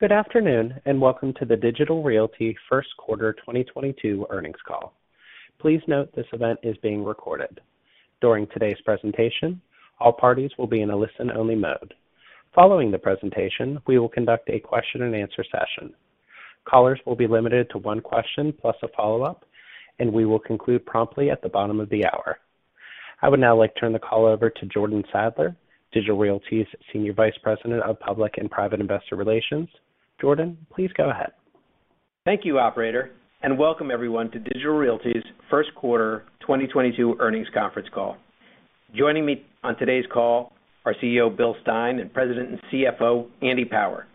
Good afternoon, and welcome to the Digital Realty First Quarter 2022 Earnings Call. Please note this event is being recorded. During today's presentation, all parties will be in a listen-only mode. Following the presentation, we will conduct a question-and-answer session. Callers will be limited to one question plus a follow-up, and we will conclude promptly at the bottom of the hour. I would now like to turn the call over to Jordan Sadler, Digital Realty's Senior Vice President of Public and Private Investor Relations. Jordan, please go ahead. Thank you, operator, and welcome everyone to Digital Realty's First Quarter 2022 Earnings Conference Call. Joining me on today's call are CEO Bill Stein and President and CFO Andy Power.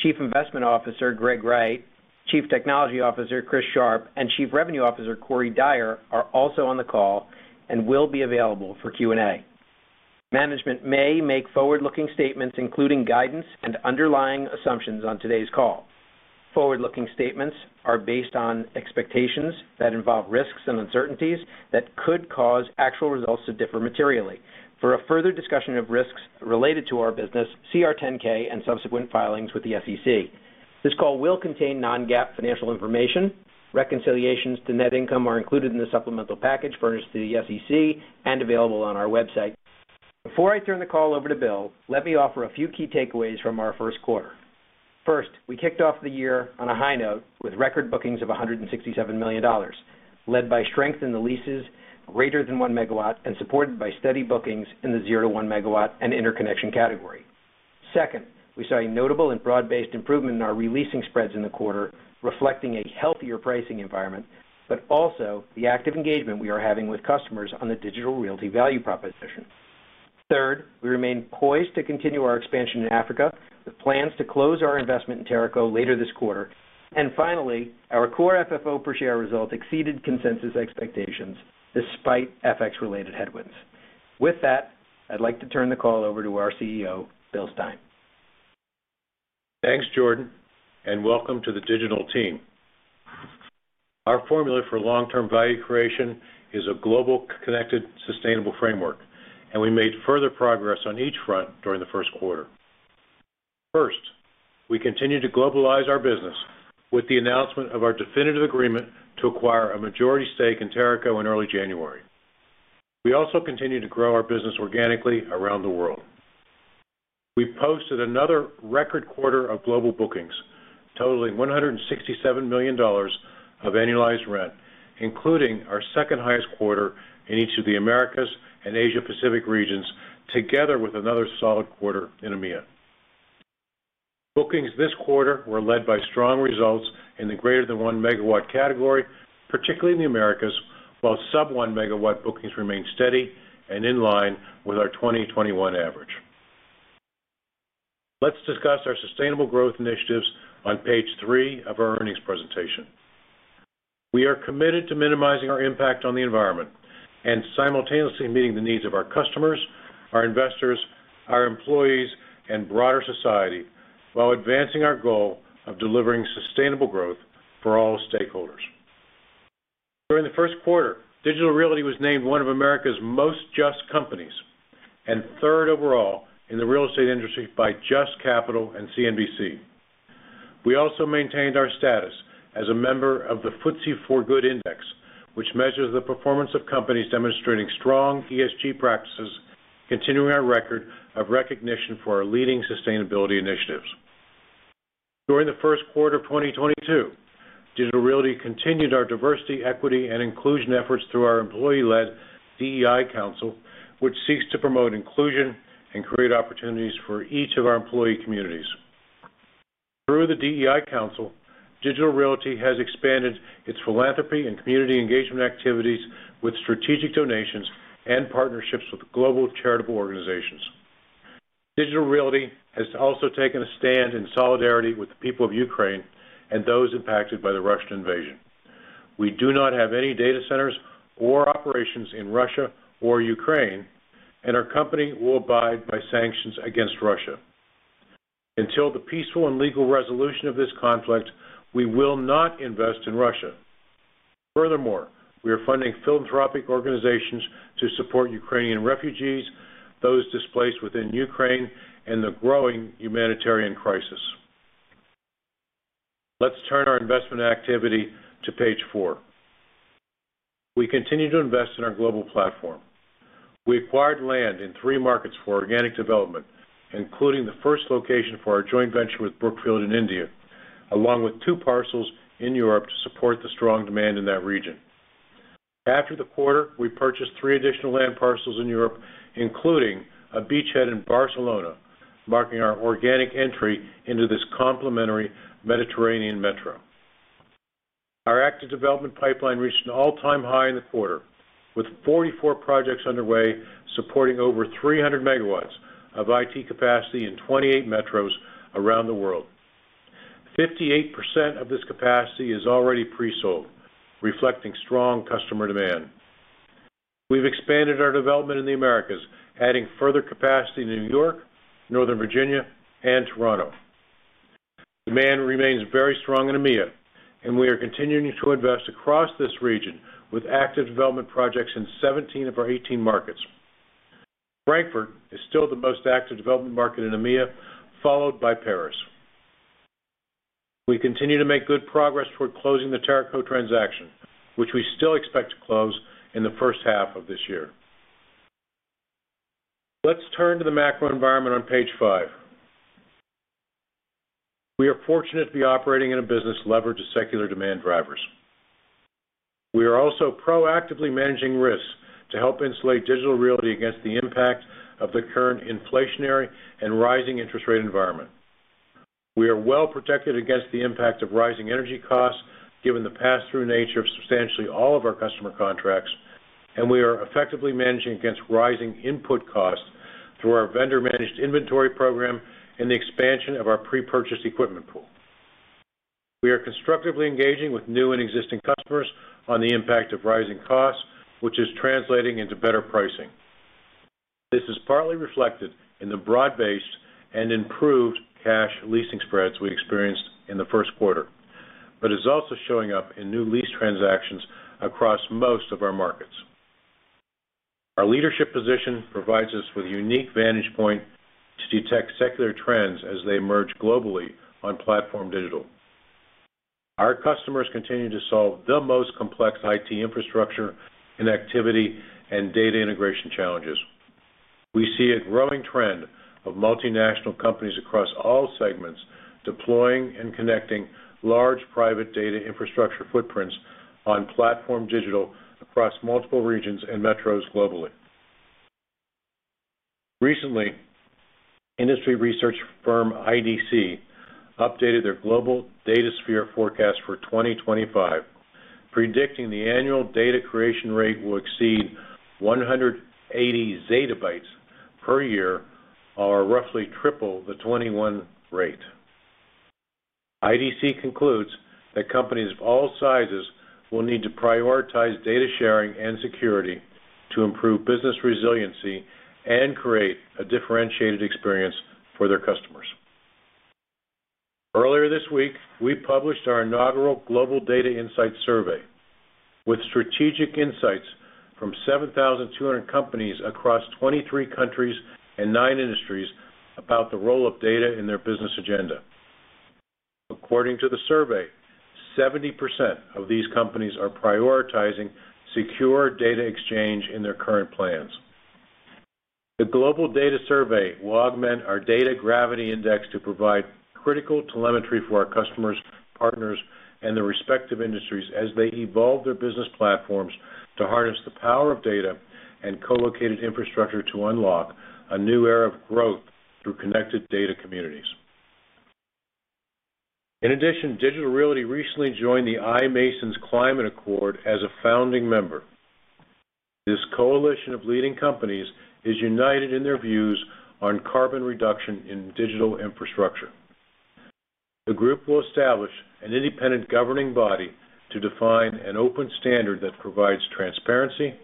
Chief Investment Officer Greg Wright, Chief Technology Officer Chris Sharp, and Chief Revenue Officer Corey Dyer are also on the call and will be available for Q&A. Management may make forward-looking statements, including guidance and underlying assumptions on today's call. Forward-looking statements are based on expectations that involve risks and uncertainties that could cause actual results to differ materially. For a further discussion of risks related to our business, see our 10-K and subsequent filings with the SEC. This call will contain non-GAAP financial information. Reconciliations to net income are included in the supplemental package furnished to the SEC and available on our website. Before I turn the call over to Bill, let me offer a few key takeaways from our first quarter. First, we kicked off the year on a high note with record bookings of $167 million, led by strength in the leases greater than one MW and supported by steady bookings in the zero to one MW and interconnection category. Second, we saw a notable and broad-based improvement in our releasing spreads in the quarter, reflecting a healthier pricing environment, but also the active engagement we are having with customers on the Digital Realty value proposition. Third, we remain poised to continue our expansion in Africa, with plans to close our investment in Teraco later this quarter. Finally, our core FFO per share result exceeded consensus expectations despite FX-related headwinds. With that, I'd like to turn the call over to our CEO, Bill Stein. Thanks, Jordan, and welcome to the Digital team. Our formula for long-term value creation is a global, connected, sustainable framework, and we made further progress on each front during the first quarter. First, we continue to globalize our business with the announcement of our definitive agreement to acquire a majority stake in Teraco in early January. We also continue to grow our business organically around the world. We posted another record quarter of global bookings, totaling $167 million of annualized rent, including our second highest quarter in each of the Americas and Asia Pacific regions, together with another solid quarter in EMEA. Bookings this quarter were led by strong results in the greater than one MW category, particularly in the Americas, while sub-1 MW bookings remained steady and in line with our 2021 average. Let's discuss our sustainable growth initiatives on page 3 of our earnings presentation. We are committed to minimizing our impact on the environment and simultaneously meeting the needs of our customers, our investors, our employees, and broader society while advancing our goal of delivering sustainable growth for all stakeholders. During the first quarter, Digital Realty was named one of America's most just companies and third overall in the real estate industry by JUST Capital and CNBC. We also maintained our status as a member of the FTSE4Good Index, which measures the performance of companies demonstrating strong ESG practices, continuing our record of recognition for our leading sustainability initiatives. During the first quarter of 2022, Digital Realty continued our diversity, equity, and inclusion efforts through our employee-led DEI council, which seeks to promote inclusion and create opportunities for each of our employee communities. Through the DEI council, Digital Realty has expanded its philanthropy and community engagement activities with strategic donations and partnerships with global charitable organizations. Digital Realty has also taken a stand in solidarity with the people of Ukraine and those impacted by the Russian invasion. We do not have any data centers or operations in Russia or Ukraine, and our company will abide by sanctions against Russia. Until the peaceful and legal resolution of this conflict, we will not invest in Russia. Furthermore, we are funding philanthropic organizations to support Ukrainian refugees, those displaced within Ukraine, and the growing humanitarian crisis. Let's turn our investment activity to page 4. We continue to invest in our global platform. We acquired land in three markets for organic development, including the first location for our joint venture with Brookfield in India, along with two parcels in Europe to support the strong demand in that region. After the quarter, we purchased three additional land parcels in Europe, including a beachhead in Barcelona, marking our organic entry into this complementary Mediterranean metro. Our active development pipeline reached an all-time high in the quarter, with 44 projects underway, supporting over 300 MW of IT capacity in 28 metros around the world. 58% of this capacity is already pre-sold, reflecting strong customer demand. We've expanded our development in the Americas, adding further capacity to New York, Northern Virginia, and Toronto. Demand remains very strong in EMEA, and we are continuing to invest across this region with active development projects in 17 of our 18 markets. Frankfurt is still the most active development market in EMEA, followed by Paris. We continue to make good progress toward closing the Teraco transaction, which we still expect to close in the first half of this year. Let's turn to the macro environment on page 5. We are fortunate to be operating in a business levered to secular demand drivers. We are also proactively managing risks to help insulate Digital Realty against the impact of the current inflationary and rising interest rate environment. We are well protected against the impact of rising energy costs, given the pass-through nature of substantially all of our customer contracts, and we are effectively managing against rising input costs through our vendor-managed inventory program and the expansion of our pre-purchase equipment pool. We are constructively engaging with new and existing customers on the impact of rising costs, which is translating into better pricing. This is partly reflected in the broad-based and improved cash leasing spreads we experienced in the first quarter, but is also showing up in new lease transactions across most of our markets. Our leadership position provides us with a unique vantage point to detect secular trends as they emerge globally on PlatformDIGITAL. Our customers continue to solve the most complex IT infrastructure and activity and data integration challenges. We see a growing trend of multinational companies across all segments deploying and connecting large private data infrastructure footprints on PlatformDIGITAL across multiple regions and metros globally. Recently, industry research firm IDC updated their global DataSphere forecast for 2025, predicting the annual data creation rate will exceed 180 zettabytes per year, or roughly triple the 2021 rate. IDC concludes that companies of all sizes will need to prioritize data sharing and security to improve business resiliency and create a differentiated experience for their customers. Earlier this week, we published our inaugural Global Data Insights Survey with strategic insights from 7,200 companies across 23 countries and nine industries about the role of data in their business agenda. According to the survey, 70% of these companies are prioritizing secure data exchange in their current plans. The Global Data Insights Survey will augment our Data Gravity Index to provide critical telemetry for our customers, partners, and their respective industries as they evolve their business platforms to harness the power of data and co-located infrastructure to unlock a new era of growth through Connected Data Communities. In addition, Digital Realty recently joined the iMasons Climate Accord as a founding member. This coalition of leading companies is united in their views on carbon reduction in digital infrastructure. The group will establish an independent governing body to define an open standard that provides transparency,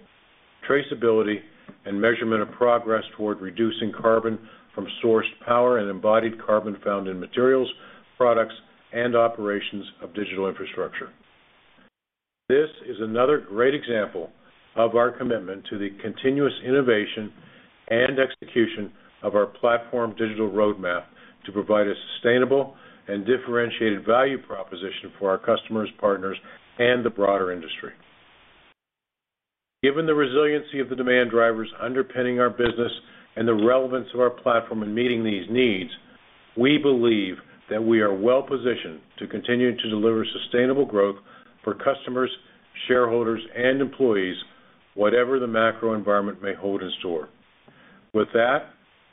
traceability, and measurement of progress toward reducing carbon from sourced power and embodied carbon found in materials, products, and operations of digital infrastructure. This is another great example of our commitment to the continuous innovation and execution of our PlatformDIGITAL roadmap to provide a sustainable and differentiated value proposition for our customers, partners, and the broader industry. Given the resiliency of the demand drivers underpinning our business and the relevance of our platform in meeting these needs, we believe that we are well-positioned to continue to deliver sustainable growth for customers, shareholders, and employees, whatever the macro environment may hold in store. With that,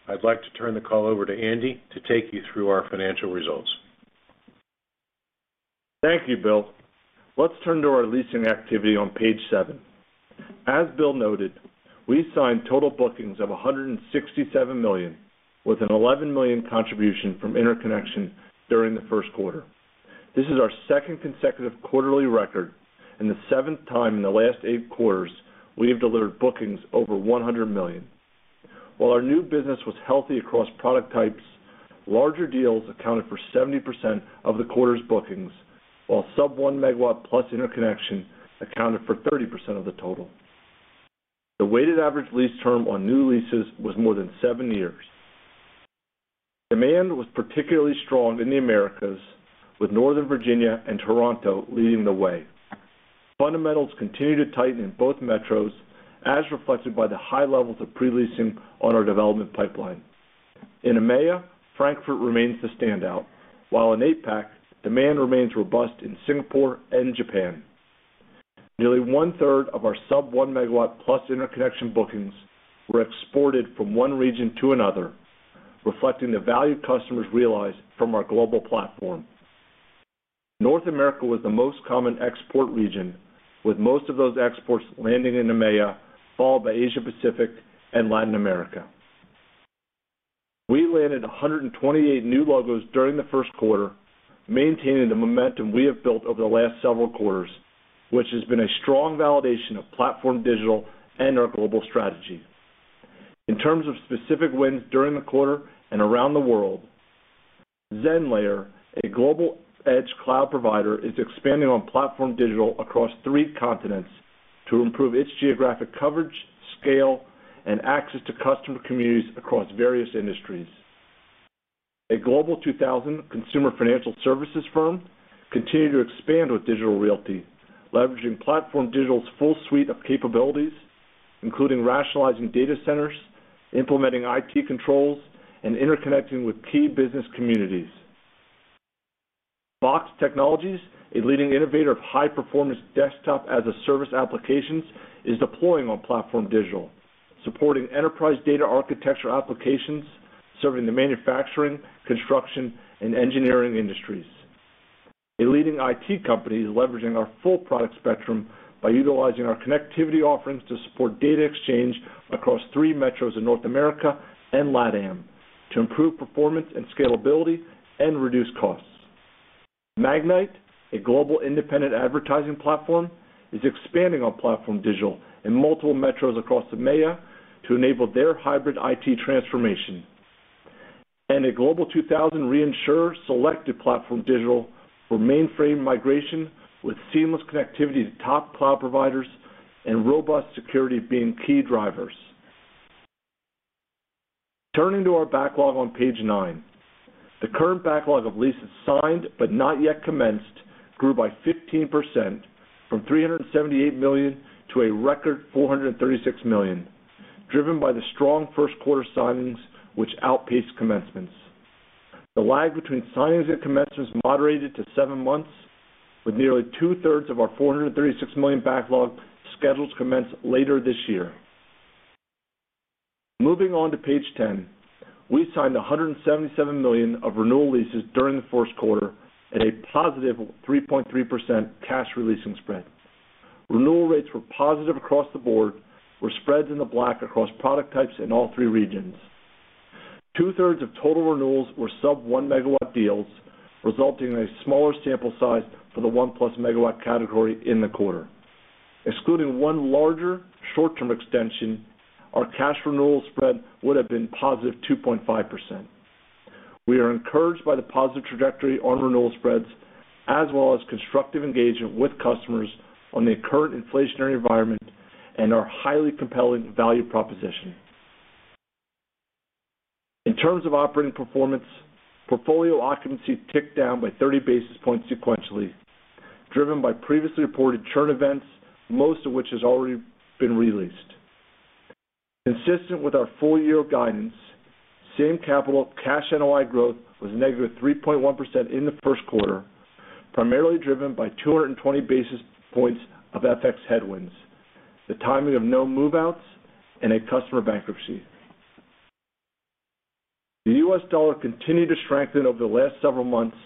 I'd like to turn the call over to Andy to take you through our financial results. Thank you, Bill. Let's turn to our leasing activity on page 7. As Bill noted, we signed total bookings of $167 million, with an $11 million contribution from interconnection during the first quarter. This is our second consecutive quarterly record and the seventh time in the last eight quarters we have delivered bookings over $100 million. While our new business was healthy across product types, larger deals accounted for 70% of the quarter's bookings, while sub-1 MW plus interconnection accounted for 30% of the total. The weighted average lease term on new leases was more than seven years. Demand was particularly strong in the Americas, with Northern Virginia and Toronto leading the way. Fundamentals continue to tighten in both metros, as reflected by the high levels of pre-leasing on our development pipeline. In EMEA, Frankfurt remains the standout, while in APAC, demand remains robust in Singapore and Japan. Nearly one-third of our sub-1 MW plus interconnection bookings were exported from one region to another, reflecting the value customers realize from our global platform. North America was the most common export region, with most of those exports landing in EMEA, followed by Asia Pacific and Latin America. We landed 128 new logos during the first quarter, maintaining the momentum we have built over the last several quarters, which has been a strong validation of PlatformDIGITAL and our global strategy. In terms of specific wins during the quarter and around the world, Zenlayer, a global edge cloud provider, is expanding on PlatformDIGITAL across three continents to improve its geographic coverage, scale, and access to customer communities across various industries. A Global 2000 consumer financial services firm continued to expand with Digital Realty, leveraging PlatformDIGITAL's full suite of capabilities, including rationalizing data centers, implementing IT controls, and interconnecting with key business communities. BOXX Technologies, a leading innovator of high-performance desktop-as-a-service applications, is deploying on PlatformDIGITAL, supporting enterprise data architecture applications, serving the manufacturing, construction, and engineering industries. A leading IT company is leveraging our full product spectrum by utilizing our connectivity offerings to support data exchange across three metros in North America and LATAM to improve performance and scalability and reduce costs. Magnite, a global independent advertising platform, is expanding on PlatformDIGITAL in multiple metros across EMEA to enable their hybrid IT transformation. A Global 2000 reinsurer selected PlatformDIGITAL for mainframe migration with seamless connectivity to top cloud providers and robust security being key drivers. Turning to our backlog on page 9. The current backlog of leases signed but not yet commenced grew by 15% from $378 million to a record $436 million, driven by the strong first quarter signings which outpaced commencements. The lag between signings and commencements moderated to seven months, with nearly two-thirds of our $436 million backlog schedules to commence later this year. Moving on to page 10. We signed $177 million of renewal leases during the first quarter at a positive 3.3% cash releasing spread. Renewal rates were positive across the board, with spreads in the black across product types in all three regions. Two-thirds of total renewals were sub-1 MW deals, resulting in a smaller sample size for the 1+ MW category in the quarter. Excluding one larger short-term extension, our cash renewal spread would have been positive 2.5%. We are encouraged by the positive trajectory on renewal spreads as well as constructive engagement with customers on the current inflationary environment and our highly compelling value proposition. In terms of operating performance, portfolio occupancy ticked down by 30 basis points sequentially, driven by previously reported churn events, most of which has already been re-leased. Consistent with our full year guidance, Same-Capital Cash NOI growth was negative 3.1% in the first quarter, primarily driven by 220 basis points of FX headwinds, the timing of no move-outs, and a customer bankruptcy. The U.S. dollar continued to strengthen over the last several months,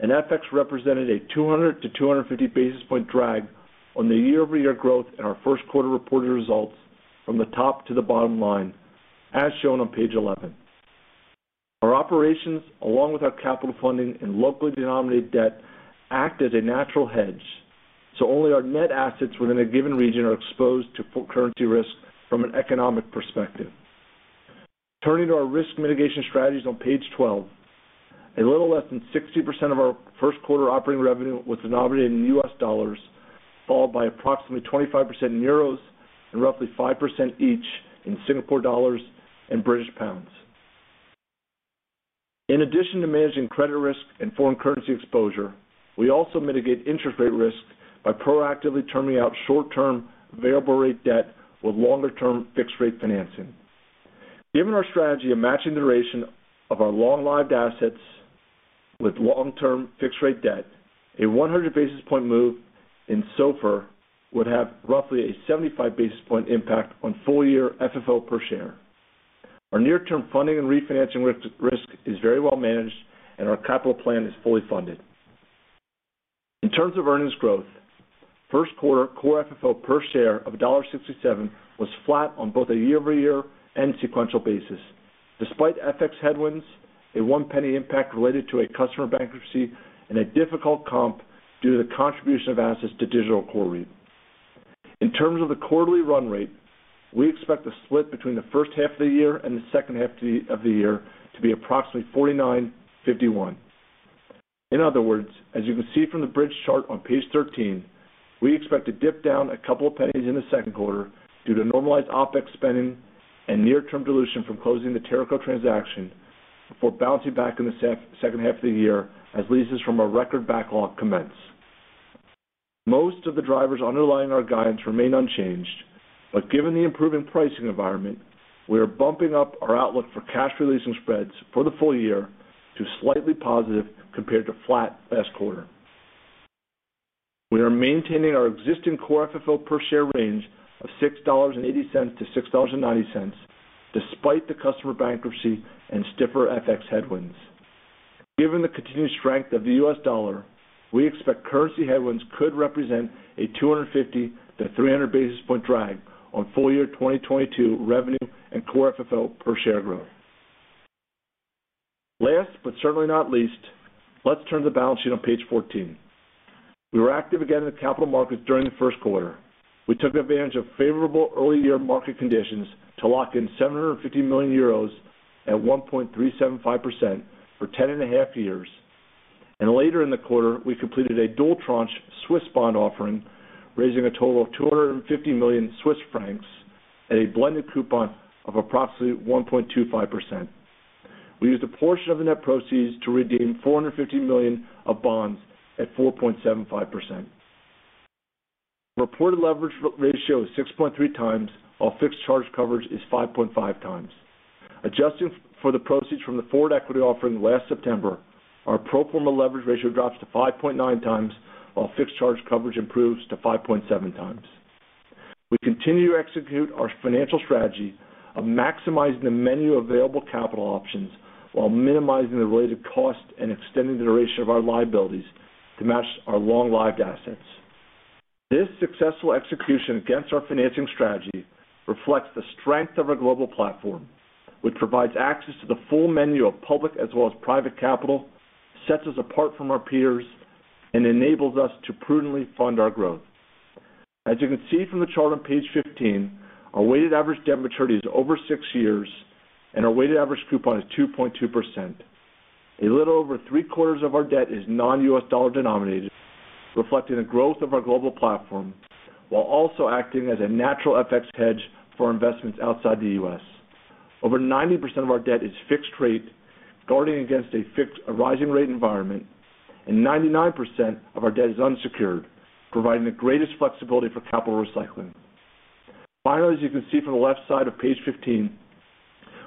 and FX represented a 200-250 basis point drag on the year-over-year growth in our first quarter reported results from the top to the bottom line, as shown on page 11. Our operations, along with our capital funding and locally denominated debt, act as a natural hedge, so only our net assets within a given region are exposed to full currency risk from an economic perspective. Turning to our risk mitigation strategies on page 12. A little less than 60% of our first quarter operating revenue was denominated in U.S. dollars, followed by approximately 25% in euros and roughly 5% each in Singapore dollars and British pounds. In addition to managing credit risk and foreign currency exposure, we also mitigate interest rate risk by proactively turning out short-term variable rate debt with longer-term fixed-rate financing. Given our strategy of matching the duration of our long-lived assets with long-term fixed-rate debt, a 100 basis point move in SOFR would have roughly a 75 basis point impact on full-year FFO per share. Our near-term funding and refinancing risk is very well managed, and our capital plan is fully funded. In terms of earnings growth, first quarter core FFO per share of $0.67 was flat on both a year-over-year and sequential basis, despite FX headwinds, a $0.01 impact related to a customer bankruptcy, and a difficult comp due to the contribution of assets to Digital Core REIT. In terms of the quarterly run rate, we expect the split between the first half of the year and the second half of the year to be approximately 49/51. In other words, as you can see from the bridge chart on page 13, we expect to dip down a couple of pennies in the second quarter due to normalized OpEx spending and near-term dilution from closing the Teraco transaction before bouncing back in the second half of the year as leases from our record backlog commence. Most of the drivers underlying our guidance remain unchanged, but given the improving pricing environment, we are bumping up our outlook for cash releasing spreads for the full year to slightly positive compared to flat last quarter. We are maintaining our existing core FFO per share range of $6.80-$6.90, despite the customer bankruptcy and stiffer FX headwinds. Given the continued strength of the U.S. dollar, we expect currency headwinds could represent a 250-300 basis point drag on full-year 2022 revenue and core FFO per share growth. Last but certainly not least, let's turn to the balance sheet on page 14. We were active again in the capital markets during the first quarter. We took advantage of favorable early year market conditions to lock in 750 million euros at 1.375% for 10.5 years. Later in the quarter, we completed a dual tranche Swiss bond offering, raising a total of 250 million Swiss francs at a blended coupon of approximately 1.25%. We used a portion of the net proceeds to redeem $450 million of bonds at 4.75%. Reported leverage ratio is 6.3x, while fixed charge coverage is 5.5x. Adjusting for the proceeds from the forward equity offering last September, our pro forma leverage ratio drops to 5.9x, while fixed charge coverage improves to 5.7x. We continue to execute our financial strategy of maximizing the menu of available capital options while minimizing the related cost and extending the duration of our liabilities to match our long-lived assets. This successful execution against our financing strategy reflects the strength of our global platform, which provides access to the full menu of public as well as private capital, sets us apart from our peers, and enables us to prudently fund our growth. As you can see from the chart on page 15, our weighted average debt maturity is over six years, and our weighted average coupon is 2.2%. A little over three quarters of our debt is non-U.S. dollar denominated, reflecting the growth of our global platform while also acting as a natural FX hedge for investments outside the U.S. Over 90% of our debt is fixed rate, guarding against a rising rate environment, and 99% of our debt is unsecured, providing the greatest flexibility for capital recycling. Finally, as you can see from the left side of page 15,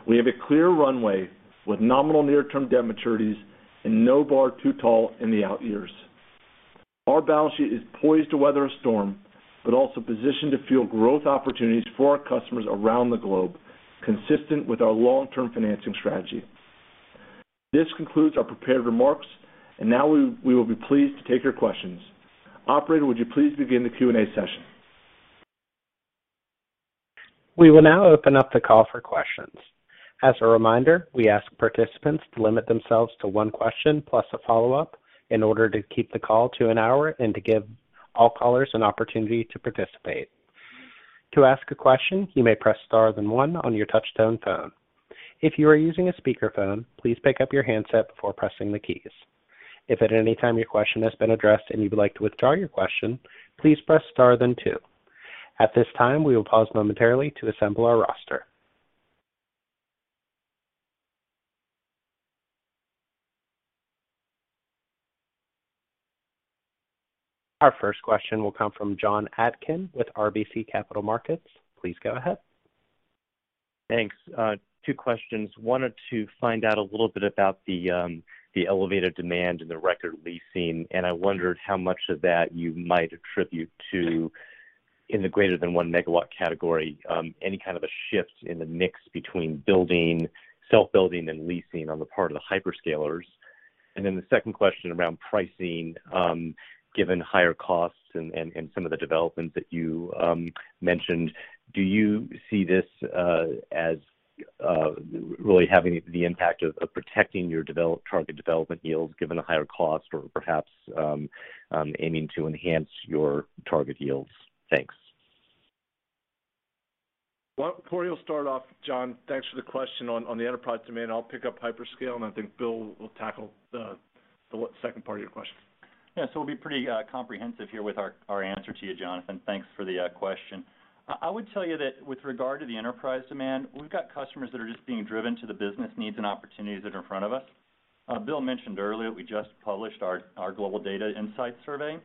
we have a clear runway with nominal near term debt maturities and no bar too tall in the out years. Our balance sheet is poised to weather a storm, but also positioned to fuel growth opportunities for our customers around the globe, consistent with our long-term financing strategy. This concludes our prepared remarks, and now we will be pleased to take your questions. Operator, would you please begin the Q&A session? We will now open up the call for questions. As a reminder, we ask participants to limit themselves to one question plus a follow-up in order to keep the call to an hour and to give all callers an opportunity to participate. To ask a question, you may press star then one on your touch tone phone. If you are using a speakerphone, please pick up your handset before pressing the keys. If at any time your question has been addressed and you would like to withdraw your question, please press star then two. At this time, we will pause momentarily to assemble our roster. Our first question will come from Jon Atkin with RBC Capital Markets. Please go ahead. Thanks. Two questions. Wanted to find out a little bit about the elevated demand and the record leasing, and I wondered how much of that you might attribute to, in the greater than one MW category, any kind of a shift in the mix between building, self-building and leasing on the part of the hyperscalers. Then the second question around pricing, given higher costs and some of the developments that you mentioned, do you see this as really having the impact of protecting your target development yields given the higher cost or perhaps aiming to enhance your target yields? Thanks. Well, Corey will start off, Jon. Thanks for the question on the enterprise demand. I'll pick up hyperscale, and I think Bill will tackle the second part of your question. Yeah. We'll be pretty comprehensive here with our answer to you, Jonathan. Thanks for the question. I would tell you that with regard to the enterprise demand, we've got customers that are just being driven to the business needs and opportunities that are in front of us. Bill mentioned earlier we just published our Global Data Insights Survey,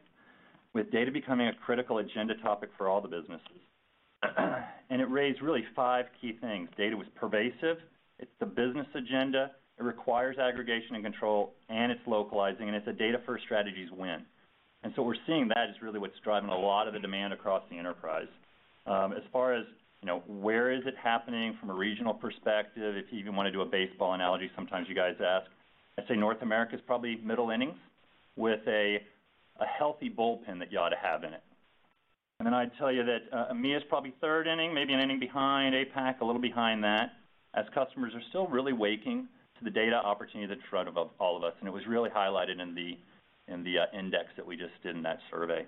with data becoming a critical agenda topic for all the businesses. It raised really five key things. Data was pervasive, it's the business agenda, it requires aggregation and control, and it's localizing, and it's a data-first strategies win. What we're seeing that is really what's driving a lot of the demand across the enterprise. As far as, you know, where is it happening from a regional perspective, if you even wanna do a baseball analogy, sometimes you guys ask, I'd say North America is probably middle innings with a healthy bullpen that you ought to have in it. I'd tell you that EMEA is probably third inning, maybe an inning behind APAC, a little behind that, as customers are still really waking to the data opportunity that's in front above all of us. It was really highlighted in the index that we just did in that survey.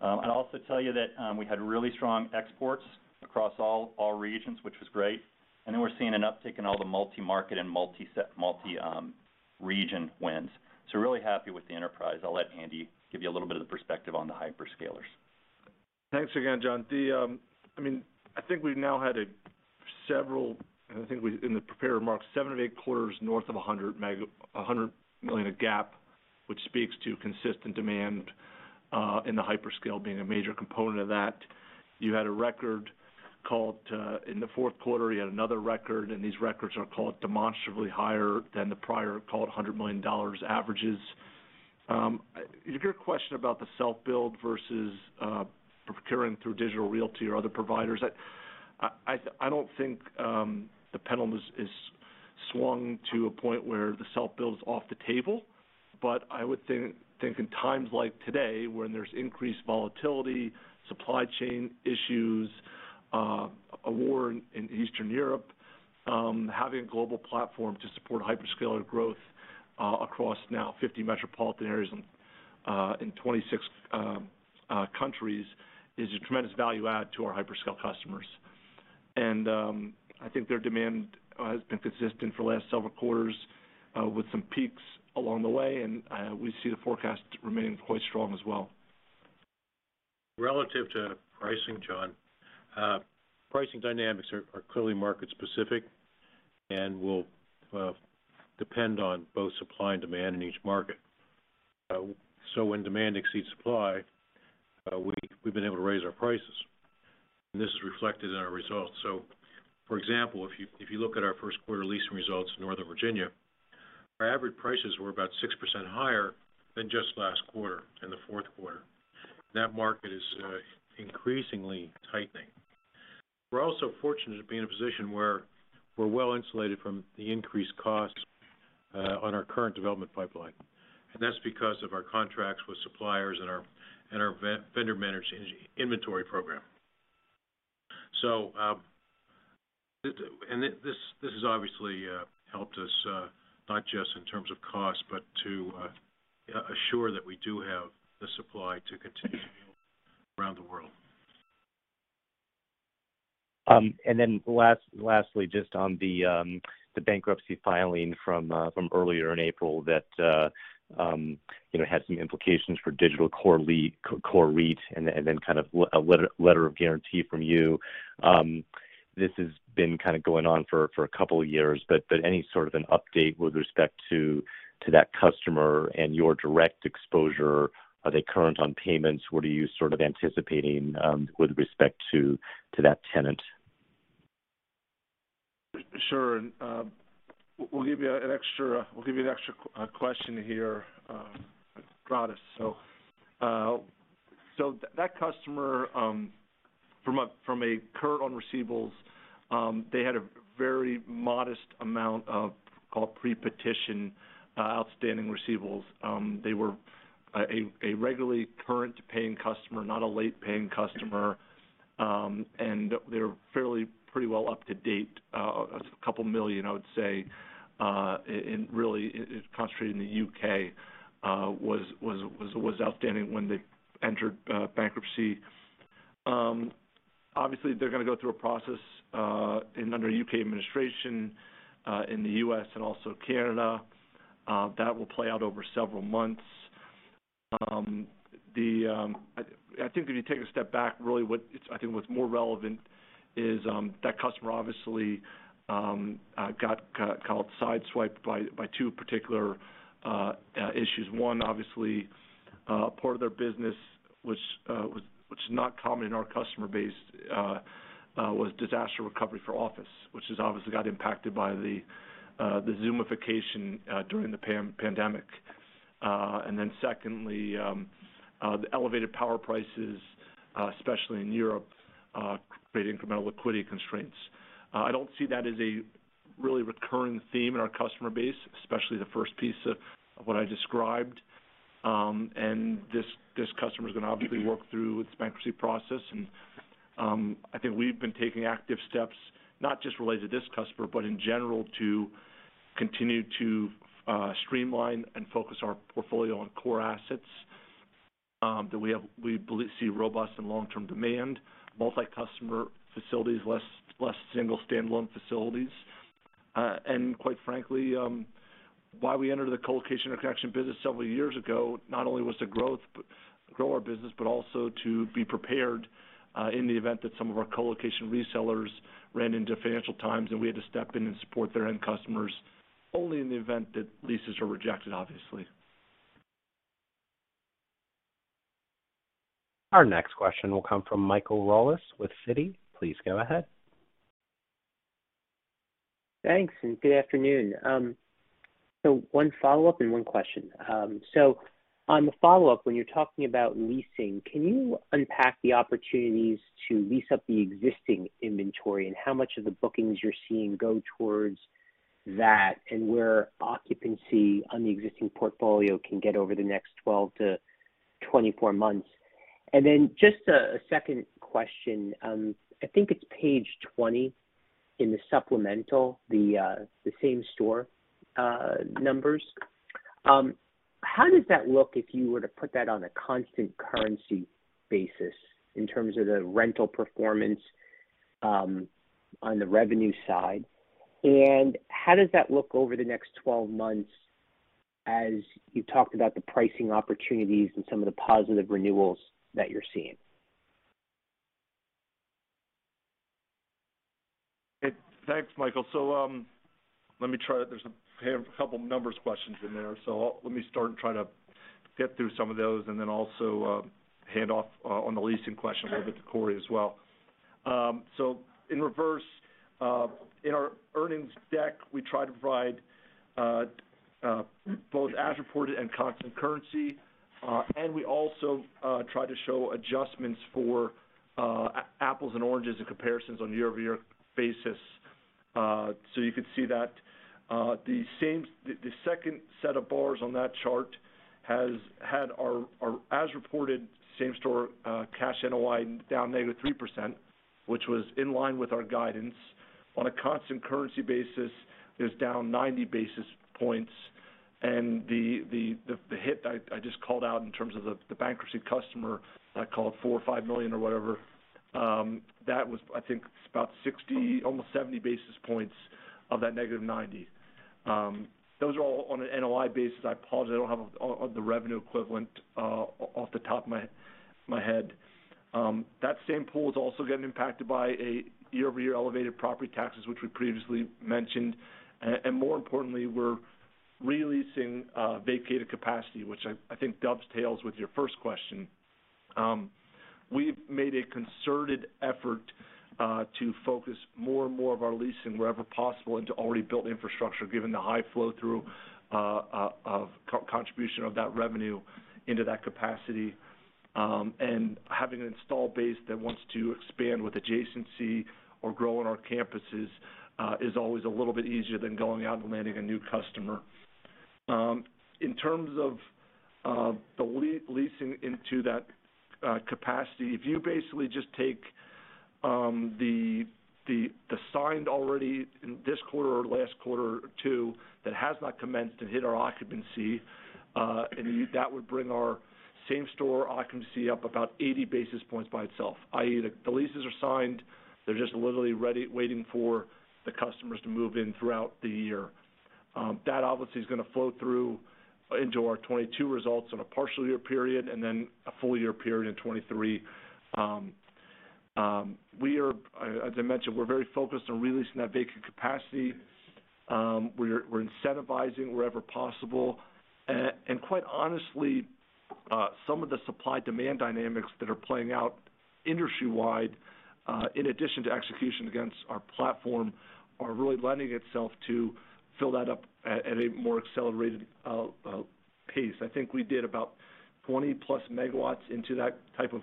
I'd also tell you that we had really strong exports across all regions, which was great. We're seeing an uptick in all the multi-market and multi-region wins. We're really happy with the enterprise. I'll let Andy give you a little bit of the perspective on the hyperscalers. Thanks again, Jon. I mean, I think we've now had several, and I think in the prepared remarks, seven or eight quarters north of $100 million of GAAP, which speaks to consistent demand in the hyperscale being a major component of that. You had a record in the fourth quarter, you had another record, and these records are demonstrably higher than the prior $100 million averages. Your question about the self-build versus procuring through Digital Realty or other providers, I don't think the pendulum has swung to a point where the self-build is off the table. I would think in times like today, when there's increased volatility, supply chain issues, a war in Eastern Europe, having a global platform to support hyperscaler growth across now 50 metropolitan areas and in 26 countries is a tremendous value add to our hyperscale customers. I think their demand has been consistent for the last several quarters with some peaks along the way, and we see the forecast remaining quite strong as well. Relative to pricing, Jon, pricing dynamics are clearly market specific and will depend on both supply and demand in each market. When demand exceeds supply, we've been able to raise our prices, and this is reflected in our results. For example, if you look at our first quarter leasing results in Northern Virginia, our average prices were about 6% higher than just last quarter in the fourth quarter. That market is increasingly tightening. We're also fortunate to be in a position where we're well insulated from the increased costs on our current development pipeline. That's because of our contracts with suppliers and our vendor-managed inventory program. This has obviously helped us not just in terms of cost, but to assure that we do have the supply to continue around the world. Lastly, just on the bankruptcy filing from earlier in April that you know had some implications for Digital Core REIT and then kind of a letter of guarantee from you. This has been kind of going on for a couple of years, but any sort of an update with respect to that customer and your direct exposure? Are they current on payments? What are you sort of anticipating with respect to that tenant? Sure. We'll give you an extra question here, [Pradas]. That customer, from a current on receivables, they had a very modest amount of so-called pre-petition outstanding receivables. They were a regularly current paying customer, not a late paying customer. They're fairly pretty well up to date, $2 million, I would say, and really is concentrated in the U.K., was outstanding when they entered bankruptcy. Obviously, they're gonna go through a process under U.K. administration, in the U.S. and also Canada. That will play out over several months. I think if you take a step back, really what I think what's more relevant is that customer obviously got sideswiped by two particular issues. One, obviously, part of their business, which is not common in our customer base, was disaster recovery for Office, which has obviously got impacted by the Zoomification during the pandemic. Then secondly, the elevated power prices, especially in Europe, create incremental liquidity constraints. I don't see that as a really recurring theme in our customer base, especially the first piece of what I described. This customer is gonna obviously work through its bankruptcy process. I think we've been taking active steps, not just related to this customer, but in general, to continue to streamline and focus our portfolio on core assets that we see robust and long-term demand, multi-customer facilities, less single stand-alone facilities. Quite frankly, why we entered the colocation or connection business several years ago, not only was to grow our business, but also to be prepared in the event that some of our colocation resellers ran into financial times, and we had to step in and support their end customers only in the event that leases are rejected, obviously. Our next question will come from Michael Rollins with Citi. Please go ahead. Thanks, good afternoon. So one follow-up and one question. So on the follow-up, when you're talking about leasing, can you unpack the opportunities to lease up the existing inventory and how much of the bookings you're seeing go towards that and where occupancy on the existing portfolio can get over the next 12 to 24 months? Then just a second question. I think it's page 20 in the supplemental, the same store numbers. How does that look if you were to put that on a constant currency basis in terms of the rental performance on the revenue side? And how does that look over the next 12 months as you talked about the pricing opportunities and some of the positive renewals that you're seeing? Thanks, Michael. Let me try. There's a couple numbers questions in there, so let me start and try to get through some of those and then also hand off on the leasing question a little bit to Corey as well. In reverse, in our earnings deck, we try to provide both as reported and constant currency, and we also try to show adjustments for apples and oranges and comparisons on a year-over-year basis. You could see that the second set of bars on that chart has had our as reported same store cash NOI down negative 3%, which was in line with our guidance. On a constant currency basis, it was down 90 basis points. The hit I just called out in terms of the bankruptcy customer, I call it $4 million-$5 million or whatever, that was I think about 60, almost 70 basis points of that negative 90. Those are all on an NOI basis. I apologize, I don't have all of the revenue equivalent off the top of my head. That same pool is also getting impacted by a year-over-year elevated property taxes, which we previously mentioned. More importantly, we're re-leasing vacated capacity, which I think dovetails with your first question. We've made a concerted effort to focus more and more of our leasing wherever possible into already built infrastructure, given the high flow through of co-contribution of that revenue into that capacity. Having an installed base that wants to expand with adjacency or grow on our campuses is always a little bit easier than going out and landing a new customer. In terms of the leasing into that capacity, if you basically just take the signed already in this quarter or last quarter or two that has not commenced and hit our occupancy, that would bring our same store occupancy up about 80 basis points by itself, i.e., the leases are signed, they're just literally ready waiting for the customers to move in throughout the year. That obviously is gonna flow through into our 2022 results on a partial year period, and then a full year period in 2023. We are, as I mentioned, we're very focused on re-leasing that vacant capacity. We're incentivizing wherever possible. Quite honestly, some of the supply-demand dynamics that are playing out industry-wide, in addition to execution against our platform, are really lending itself to fill that up at a more accelerated pace. I think we did about 20+ MW into that type of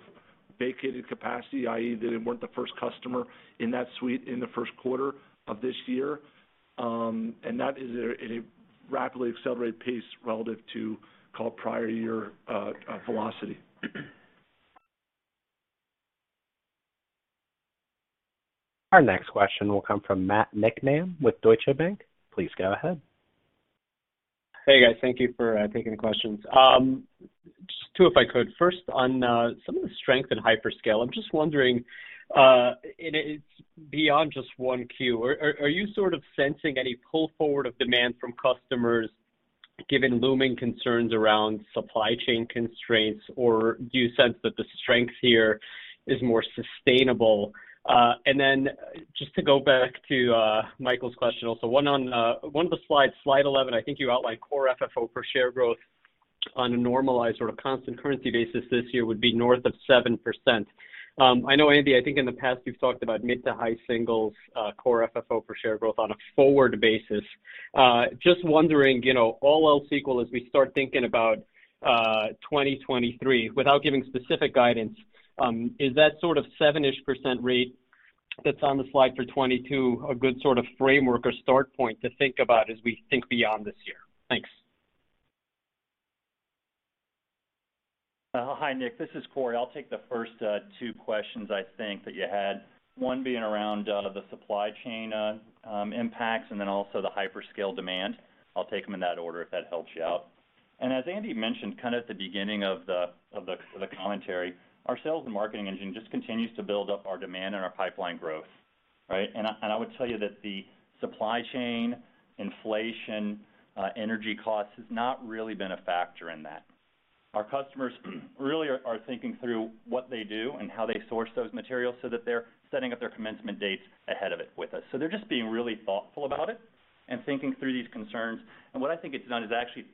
vacated capacity, i.e., they weren't the first customer in that suite in the first quarter of this year. That is at a rapidly accelerated pace relative to call it prior year velocity. Our next question will come from Matt Niknam with Deutsche Bank. Please go ahead. Hey, guys. Thank you for taking the questions. Just two, if I could. First, on some of the strength in hyperscale. I'm just wondering, and it's beyond just one Q, are you sort of sensing any pull forward of demand from customers given looming concerns around supply chain constraints, or do you sense that the strength here is more sustainable? Just to go back to Michael's question also, one on one of the slides, slide 11, I think you outlined core FFO per share growth on a normalized or a constant currency basis this year would be north of 7%. I know, Andy, I think in the past, you've talked about mid to high singles core FFO per share growth on a forward basis. Just wondering, you know, all else equal as we start thinking about 2023, without giving specific guidance, is that sort of 7-ish% rate that's on the slide for 2022 a good sort of framework or start point to think about as we think beyond this year? Thanks. Hi, Nik. This is Corey. I'll take the first two questions I think that you had, one being around the supply chain impacts and then also the hyperscale demand. I'll take them in that order if that helps you out. As Andy mentioned, kind of at the beginning of the commentary, our sales and marketing engine just continues to build up our demand and our pipeline growth, right? I would tell you that the supply chain, inflation, energy costs has not really been a factor in that. Our customers really are thinking through what they do and how they source those materials so that they're setting up their commencement dates ahead of it with us. They're just being really thoughtful about it and thinking through these concerns. What I think it's done is actually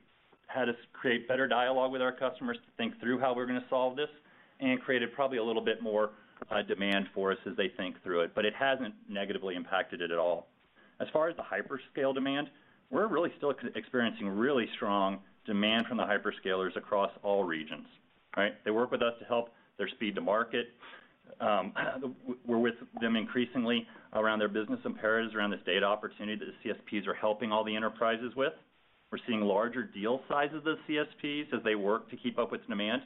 had us create better dialogue with our customers to think through how we're gonna solve this and created probably a little bit more, demand for us as they think through it, but it hasn't negatively impacted it at all. As far as the hyperscale demand, we're really still experiencing really strong demand from the hyperscalers across all regions, right? They work with us to help their speed to market. We're with them increasingly around their business imperatives, around this data opportunity that the CSPs are helping all the enterprises with. We're seeing larger deal sizes of CSPs as they work to keep up with demand.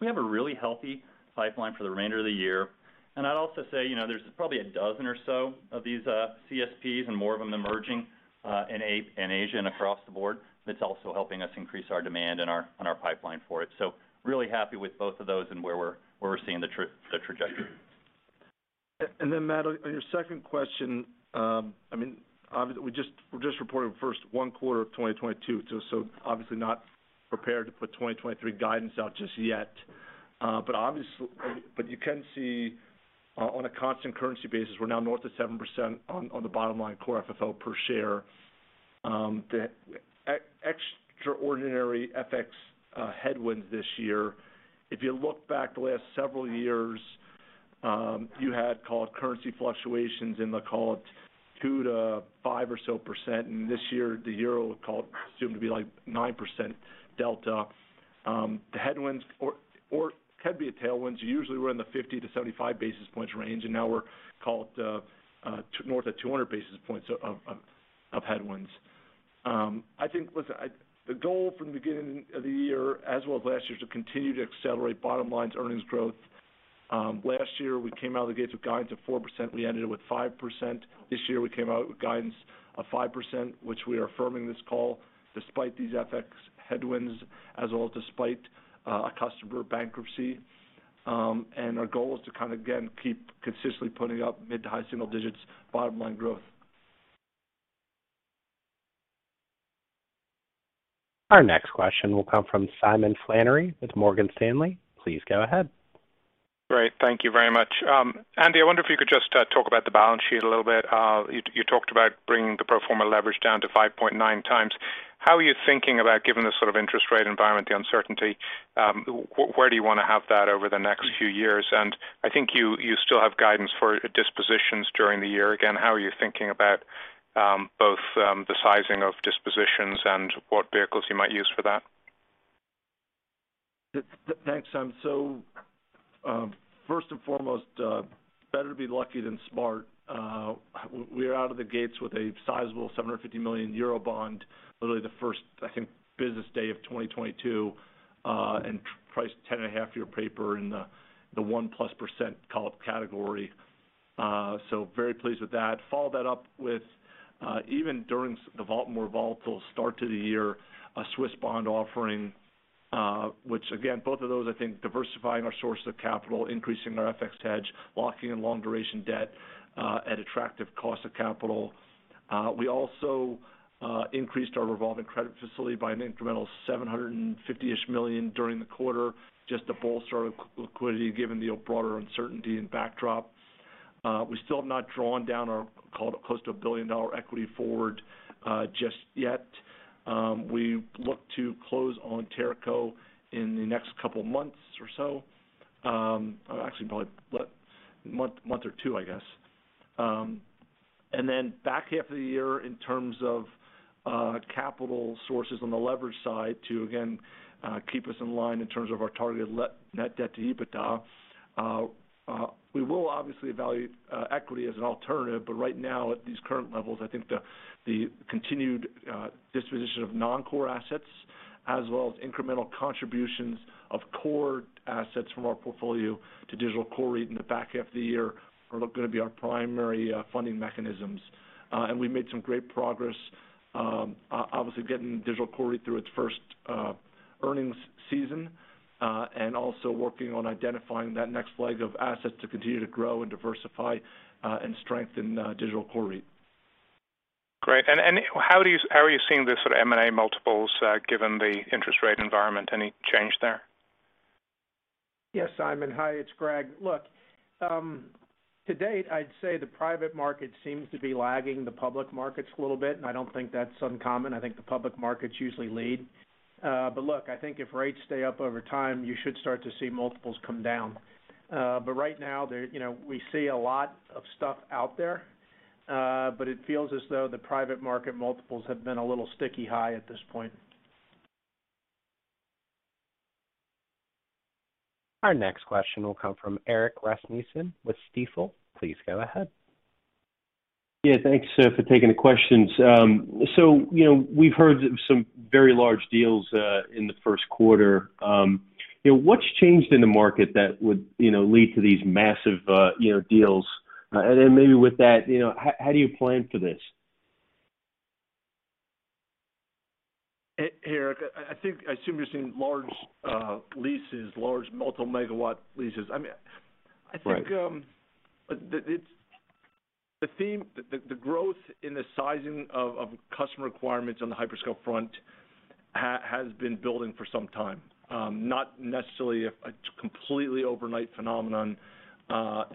We have a really healthy pipeline for the remainder of the year. I'd also say, you know, there's probably a dozen or so of these CSPs and more of them emerging in Asia and across the board. That's also helping us increase our demand and our pipeline for it. Really happy with both of those and where we're seeing the trajectory. Matt, on your second question, I mean, obviously, we just reported the first quarter of 2022, so obviously not prepared to put 2023 guidance out just yet. You can see, on a constant currency basis, we're now north of 7% on the bottom line core FFO per share. The extraordinary FX headwinds this year, if you look back the last several years, you had call it currency fluctuations in the call it 2%-5% or so, and this year the euro call it assumed to be like 9% delta. The headwinds or could be tailwinds. Usually we're in the 50-75 basis points range, and now we're calling north of 200 basis points of headwinds. The goal from the beginning of the year as well as last year is to continue to accelerate bottom line earnings growth. Last year we came out of the gates with guidance of 4%, we ended with 5%. This year we came out with guidance of 5%, which we are affirming this call despite these FX headwinds as well as despite a customer bankruptcy. Our goal is to kind of again keep consistently putting up mid- to high-single-digits % bottom line growth. Our next question will come from Simon Flannery with Morgan Stanley. Please go ahead. Great. Thank you very much. Andy, I wonder if you could just talk about the balance sheet a little bit. You talked about bringing the pro forma leverage down to 5.9x. How are you thinking about given the sort of interest rate environment and the uncertainty? Where do you wanna have that over the next few years? I think you still have guidance for dispositions during the year. Again, how are you thinking about both the sizing of dispositions and what vehicles you might use for that? Thanks, first and foremost, better to be lucky than smart. We are out of the gates with a sizable 750 million euro bond, literally the first, I think, business day of 2022, and priced 10.5-year paper in the 1+% call it category. So very pleased with that. Follow that up with, even during the more volatile start to the year, a Swiss bond offering, which again, both of those, I think diversifying our sources of capital, increasing our FX hedge, locking in long duration debt, at attractive cost of capital. We also increased our revolving credit facility by an incremental $750-ish million during the quarter, just to bolster liquidity given the broader uncertainty and backdrop. We still have not drawn down our call it close to a $1 billion equity forward just yet. We look to close on Teraco in the next couple months or so, or actually probably like month or two, I guess. Then back half of the year in terms of capital sources on the leverage side to again keep us in line in terms of our targeted net debt to EBITDA. We will obviously evaluate equity as an alternative, but right now at these current levels, I think the continued disposition of non-core assets as well as incremental contributions of core assets from our portfolio to Digital Core REIT in the back half of the year are gonna be our primary funding mechanisms. We made some great progress, obviously getting Digital Core REIT through its first earnings season, and also working on identifying that next leg of assets to continue to grow and diversify, and strengthen Digital Core REIT. Great. How are you seeing the sort of M&A multiples, given the interest rate environment? Any change there? Yes, Simon. Hi, it's Greg. Look, to date, I'd say the private market seems to be lagging the public markets a little bit, and I don't think that's uncommon. I think the public markets usually lead. Look, I think if rates stay up over time, you should start to see multiples come down. Right now they're, you know, we see a lot of stuff out there, but it feels as though the private market multiples have been a little sticky high at this point. Our next question will come from Erik Rasmussen with Stifel. Please go ahead. Yeah, thanks for taking the questions. You know, we've heard some very large deals in the first quarter. You know, what's changed in the market that would, you know, lead to these massive, you know, deals? Then maybe with that, you know, how do you plan for this? Eric, I think I assume you're seeing large leases, large multi MW leases. I mean, I think Right The theme, the growth in the sizing of customer requirements on the hyperscale front has been building for some time. Not necessarily a completely overnight phenomenon. I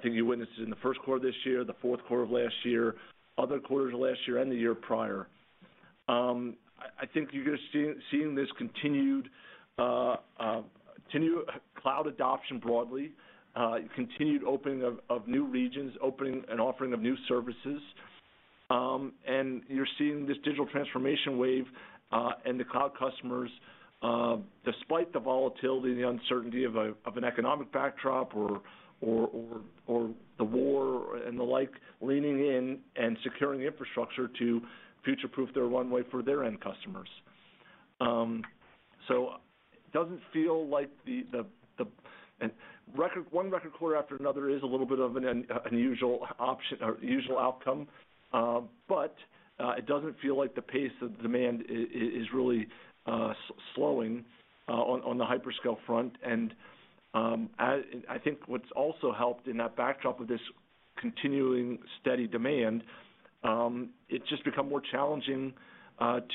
think you witnessed it in the first quarter of this year, the fourth quarter of last year, other quarters of last year and the year prior. I think you're just seeing this continued cloud adoption broadly. Continued opening of new regions, opening and offering of new services. You're seeing this digital transformation wave, and the cloud customers, despite the volatility and the uncertainty of an economic backdrop or the war and the like, leaning in and securing infrastructure to future-proof their runway for their end customers. It doesn't feel like the... Another record quarter after another is a little bit of an unusual or usual outcome. It doesn't feel like the pace of demand is really slowing on the hyperscale front. I think what's also helped in that backdrop of this continuing steady demand, it's just become more challenging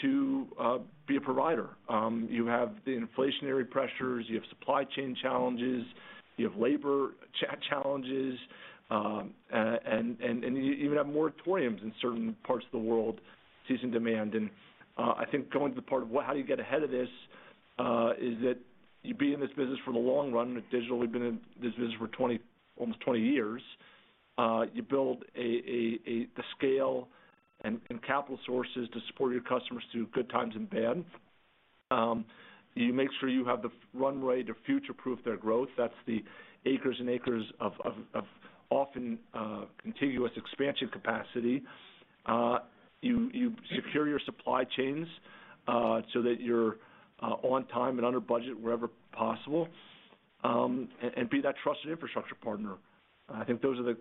to be a provider. You have the inflationary pressures, you have supply chain challenges, you have labor challenges, and you even have moratoriums in certain parts of the world squeezing demand. I think going to the heart of what, how do you get ahead of this, is that you be in this business for the long run with digital. We've been in this business for 20, almost 20 years. You build the scale and capital sources to support your customers through good times and bad. You make sure you have the runway to future-proof their growth. That's the acres and acres of often contiguous expansion capacity. You secure your supply chains so that you're on time and under budget wherever possible, and be that trusted infrastructure partner. I think those are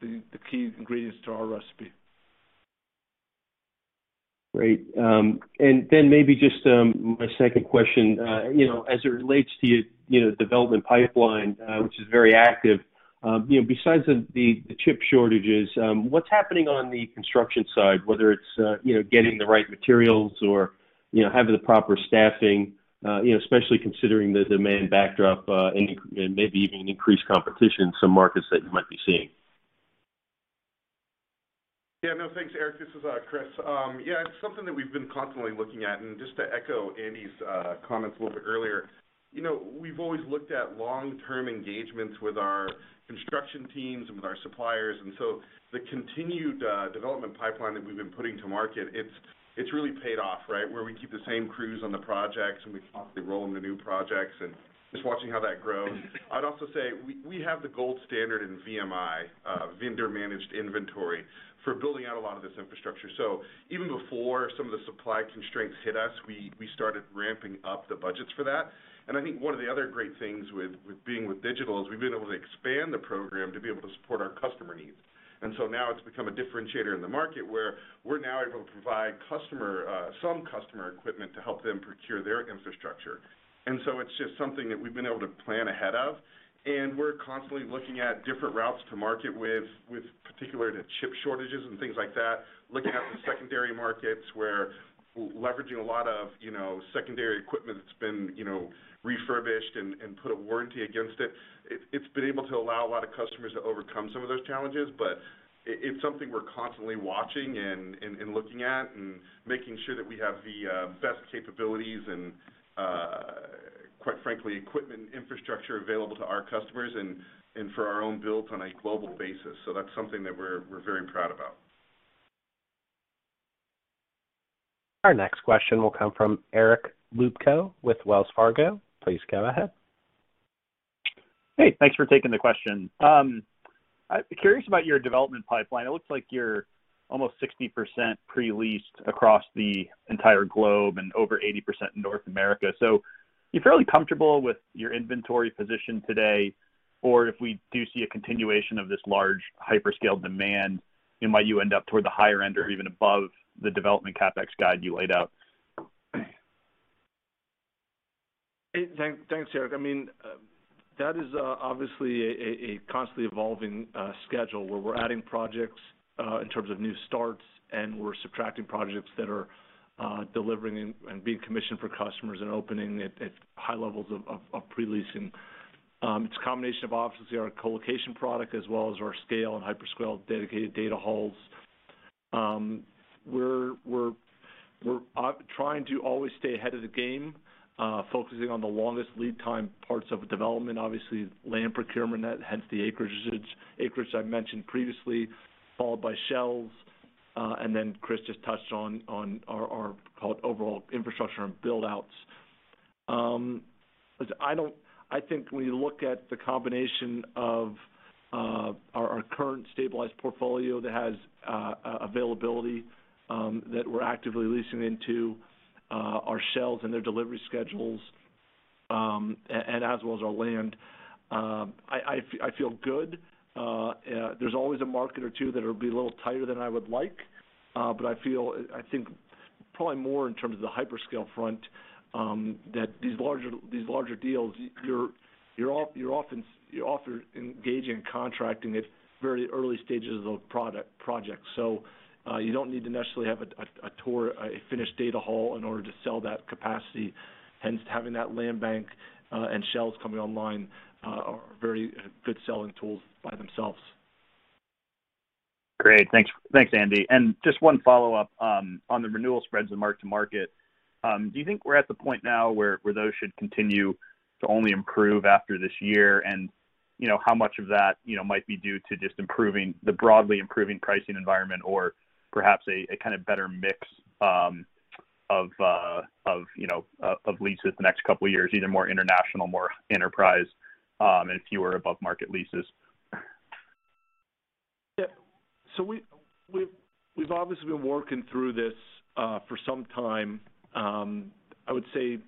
the key ingredients to our recipe. Great. Maybe just my second question, you know, as it relates to your, you know, development pipeline, which is very active. You know, besides the chip shortages, what's happening on the construction side, whether it's, you know, getting the right materials or, you know, having the proper staffing, you know, especially considering the demand backdrop, and maybe even increased competition in some markets that you might be seeing. Yeah. No, thanks, Erik. This is Chris. Yeah, it's something that we've been constantly looking at. Just to echo Andy's comments a little bit earlier, you know, we've always looked at long-term engagements with our construction teams and with our suppliers. The continued development pipeline that we've been putting to market, it's really paid off, right? Where we keep the same crews on the projects, and we constantly roll them to new projects and just watching how that grows. I'd also say we have the gold standard in VMI, vendor-managed inventory for building out a lot of this infrastructure. Even before some of the supply constraints hit us, we started ramping up the budgets for that. I think one of the other great things with being with Digital is we've been able to expand the program to be able to support our customer needs. Now it's become a differentiator in the market where we're now able to provide customer some customer equipment to help them procure their infrastructure. It's just something that we've been able to plan ahead of, and we're constantly looking at different routes to market with particular to chip shortages and things like that, looking at the secondary markets where we're leveraging a lot of, you know, secondary equipment that's been, you know, refurbished and put a warranty against it. It's been able to allow a lot of customers to overcome some of those challenges, but it's something we're constantly watching and looking at, and making sure that we have the best capabilities and, quite frankly, equipment infrastructure available to our customers and for our own builds on a global basis. That's something that we're very proud about. Our next question will come from Eric Luebchow with Wells Fargo. Please go ahead. Hey, thanks for taking the question. I'm curious about your development pipeline. It looks like you're almost 60% pre-leased across the entire globe and over 80% in North America. You're fairly comfortable with your inventory position today, or if we do see a continuation of this large hyperscale demand, you know, might you end up toward the higher end or even above the development CapEx guide you laid out? Hey, thanks, Eric. I mean, that is obviously a constantly evolving schedule where we're adding projects in terms of new starts, and we're subtracting projects that are delivering and being commissioned for customers and opening at high levels of pre-leasing. It's a combination of offices here, our co-location product, as well as our scale and hyperscale dedicated data halls. We're trying to always stay ahead of the game, focusing on the longest lead time parts of development, obviously, land procurement, hence the acreage I mentioned previously, followed by shells, and then Chris just touched on our call it overall infrastructure and build outs. Listen, I think when you look at the combination of our current stabilized portfolio that has availability that we're actively leasing into, our shells and their delivery schedules, and as well as our land, I feel good. There's always a market or two that'll be a little tighter than I would like, but I feel, I think probably more in terms of the hyperscale front, that these larger deals, you're often engaging in contracting at very early stages of projects. You don't need to necessarily have a finished data hall in order to sell that capacity. Hence, having that land bank and shells coming online are very good selling tools by themselves. Great. Thanks, Andy. Just one follow-up on the renewal spreads of mark-to-market. Do you think we're at the point now where those should continue to only improve after this year? You know, how much of that you know might be due to just the broadly improving pricing environment or perhaps a kind of better mix of you know of leases the next couple of years, either more international, more enterprise, and fewer above-market leases? We've obviously been working through this for some time. I would say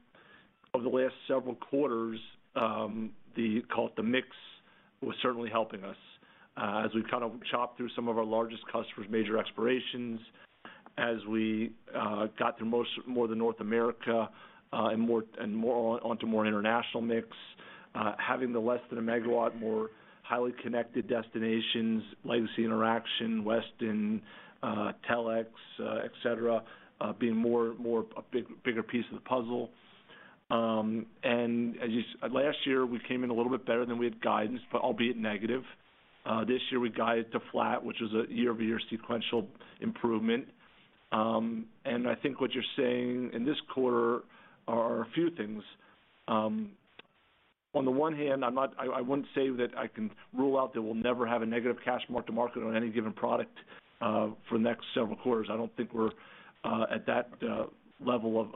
over the last several quarters, call it the mix was certainly helping us, as we've kind of chopped through some of our largest customers' major expirations, as we got through more of the North American and more onto more international mix, having less than a MW, more highly connected destinations, legacy Interxion, Westin, Telx, et cetera, being a bigger piece of the puzzle. As you saw last year, we came in a little bit better than we had guidance, but albeit negative. This year we guided to flat, which was a year-over-year sequential improvement. I think what you're saying in this quarter are a few things. On the one hand, I wouldn't say that I can rule out that we'll never have a negative cash mark-to-market on any given product for the next several quarters. I don't think we're at that level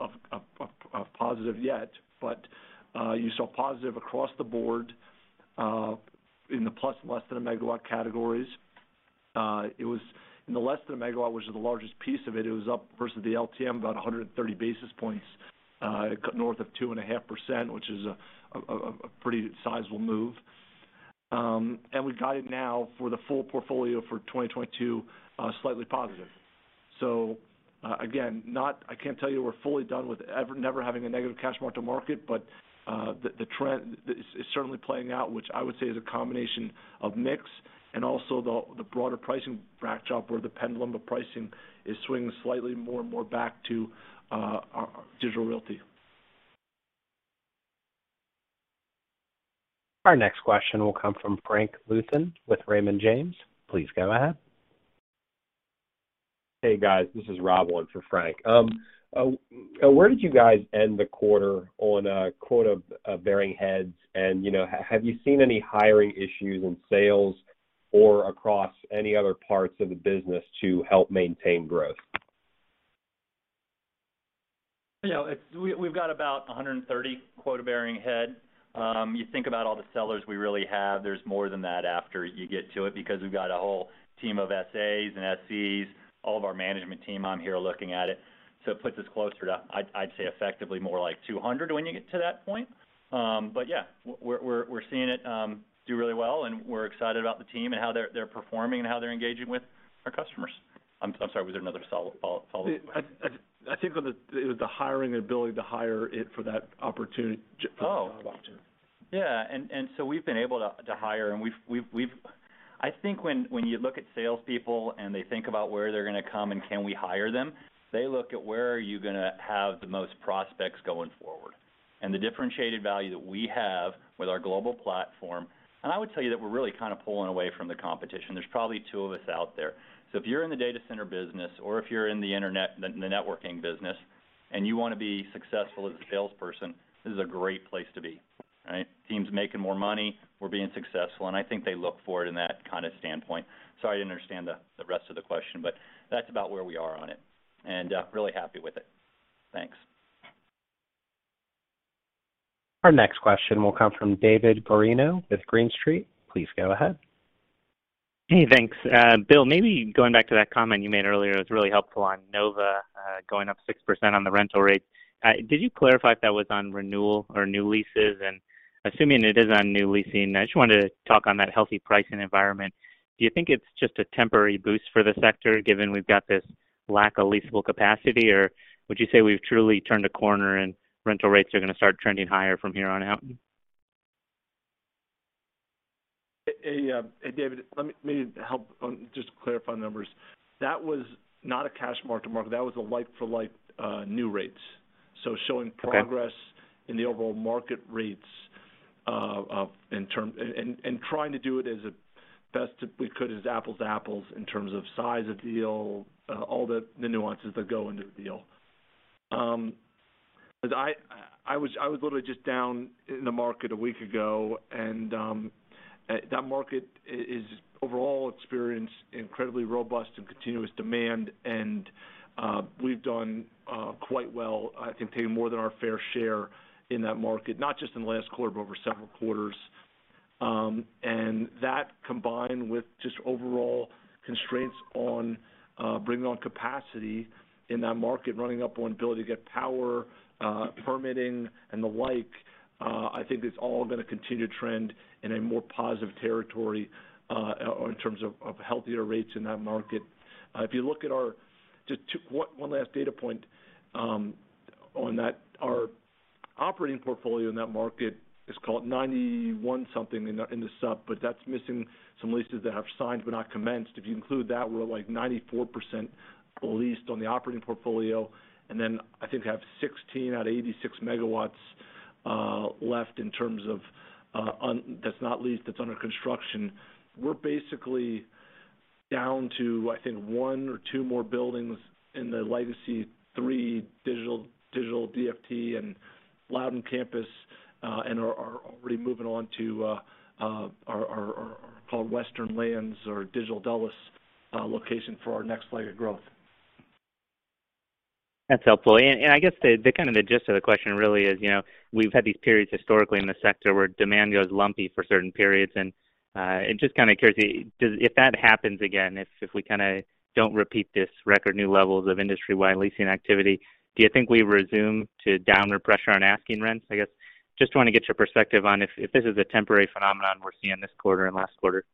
of positive yet. You saw positive across the board in the less than a MW categories. In the less than a MW, which is the largest piece of it was up versus the LTM, about 130 basis points north of 2.5%, which is a pretty sizable move. We've got it now for the full portfolio for 2022, slightly positive. I can't tell you we're fully done with never having a negative cash mark-to-market, but the trend is certainly playing out, which I would say is a combination of mix and also the broader pricing power where the pendulum of pricing is swinging slightly more and more back to Digital Realty. Our next question will come from Frank Louthan with Raymond James. Please go ahead. Hey, guys. This is Rob calling for Frank. Where did you guys end the quarter on quota-bearing heads? You know, have you seen any hiring issues in sales or across any other parts of the business to help maintain growth? You know, we've got about 130 quota-bearing head. You think about all the sellers we really have, there's more than that after you get to it because we've got a whole team of SAs and SCs, all of our management team, I'm here looking at it. It puts us closer to, I'd say effectively more like 200 when you get to that point. Yeah, we're seeing it do really well, and we're excited about the team and how they're performing and how they're engaging with our customers. I'm sorry, was there another follow-up? I think it was the hiring ability to hire it for that opportunity. Oh. That job opportunity. We've been able to hire. I think when you look at salespeople and they think about where they're gonna come and can we hire them, they look at where are you gonna have the most prospects going forward. The differentiated value that we have with our global platform, and I would tell you that we're really kind of pulling away from the competition. There's probably two of us out there. If you're in the data center business or if you're in the internet, the networking business, and you wanna be successful as a salesperson, this is a great place to be. Right? Team's making more money, we're being successful, and I think they look for it in that kind of standpoint. Sorry, I didn't understand the rest of the question, but that's about where we are on it, and really happy with it. Thanks. Our next question will come from David Guarino with Green Street. Please go ahead. Hey, thanks. Bill, maybe going back to that comment you made earlier, it was really helpful on NoVA, going up 6% on the rental rate. Did you clarify if that was on renewal or new leases? Assuming it is on new leasing, I just wanted to talk on that healthy pricing environment. Do you think it's just a temporary boost for the sector, given we've got this lack of leasable capacity? Would you say we've truly turned a corner and rental rates are gonna start trending higher from here on out? Hey, David, let me help just clarify the numbers. That was not a cash mark-to-market. That was a like for like, new rates. Showing progress. Okay. in the overall market rates, trying to do it as best we could as apples to apples in terms of size of deal, all the nuances that go into the deal. 'Cause I was literally just down in the market a week ago, and that market overall experienced incredibly robust and continuous demand, and we've done quite well, I think, paying more than our fair share in that market, not just in the last quarter, but over several quarters. That combined with just overall constraints on bringing on capacity in that market, running up on ability to get power, permitting and the like, I think it's all gonna continue to trend in a more positive territory, in terms of healthier rates in that market. If you look at our one last data point on that. Our operating portfolio in that market is called 91-something in the sub, but that's missing some leases that have signed but not commenced. If you include that, we're at, like, 94% leased on the operating portfolio. I think have 16 out of 86 MW left in terms of that's not leased, it's under construction. We're basically down to, I think, one or two more buildings in the legacy three Digital DFT and Loudoun campus, and are already moving on to our so-called Western Lands or Digital Dulles location for our next layer of growth. That's helpful. I guess the kind of the gist of the question really is, you know, we've had these periods historically in the sector where demand goes lumpy for certain periods. Just kind of curious, if that happens again, if we kinda don't repeat this record new levels of industry-wide leasing activity, do you think we resort to downward pressure on asking rents? I guess, just wanna get your perspective on if this is a temporary phenomenon we're seeing this quarter and last quarter.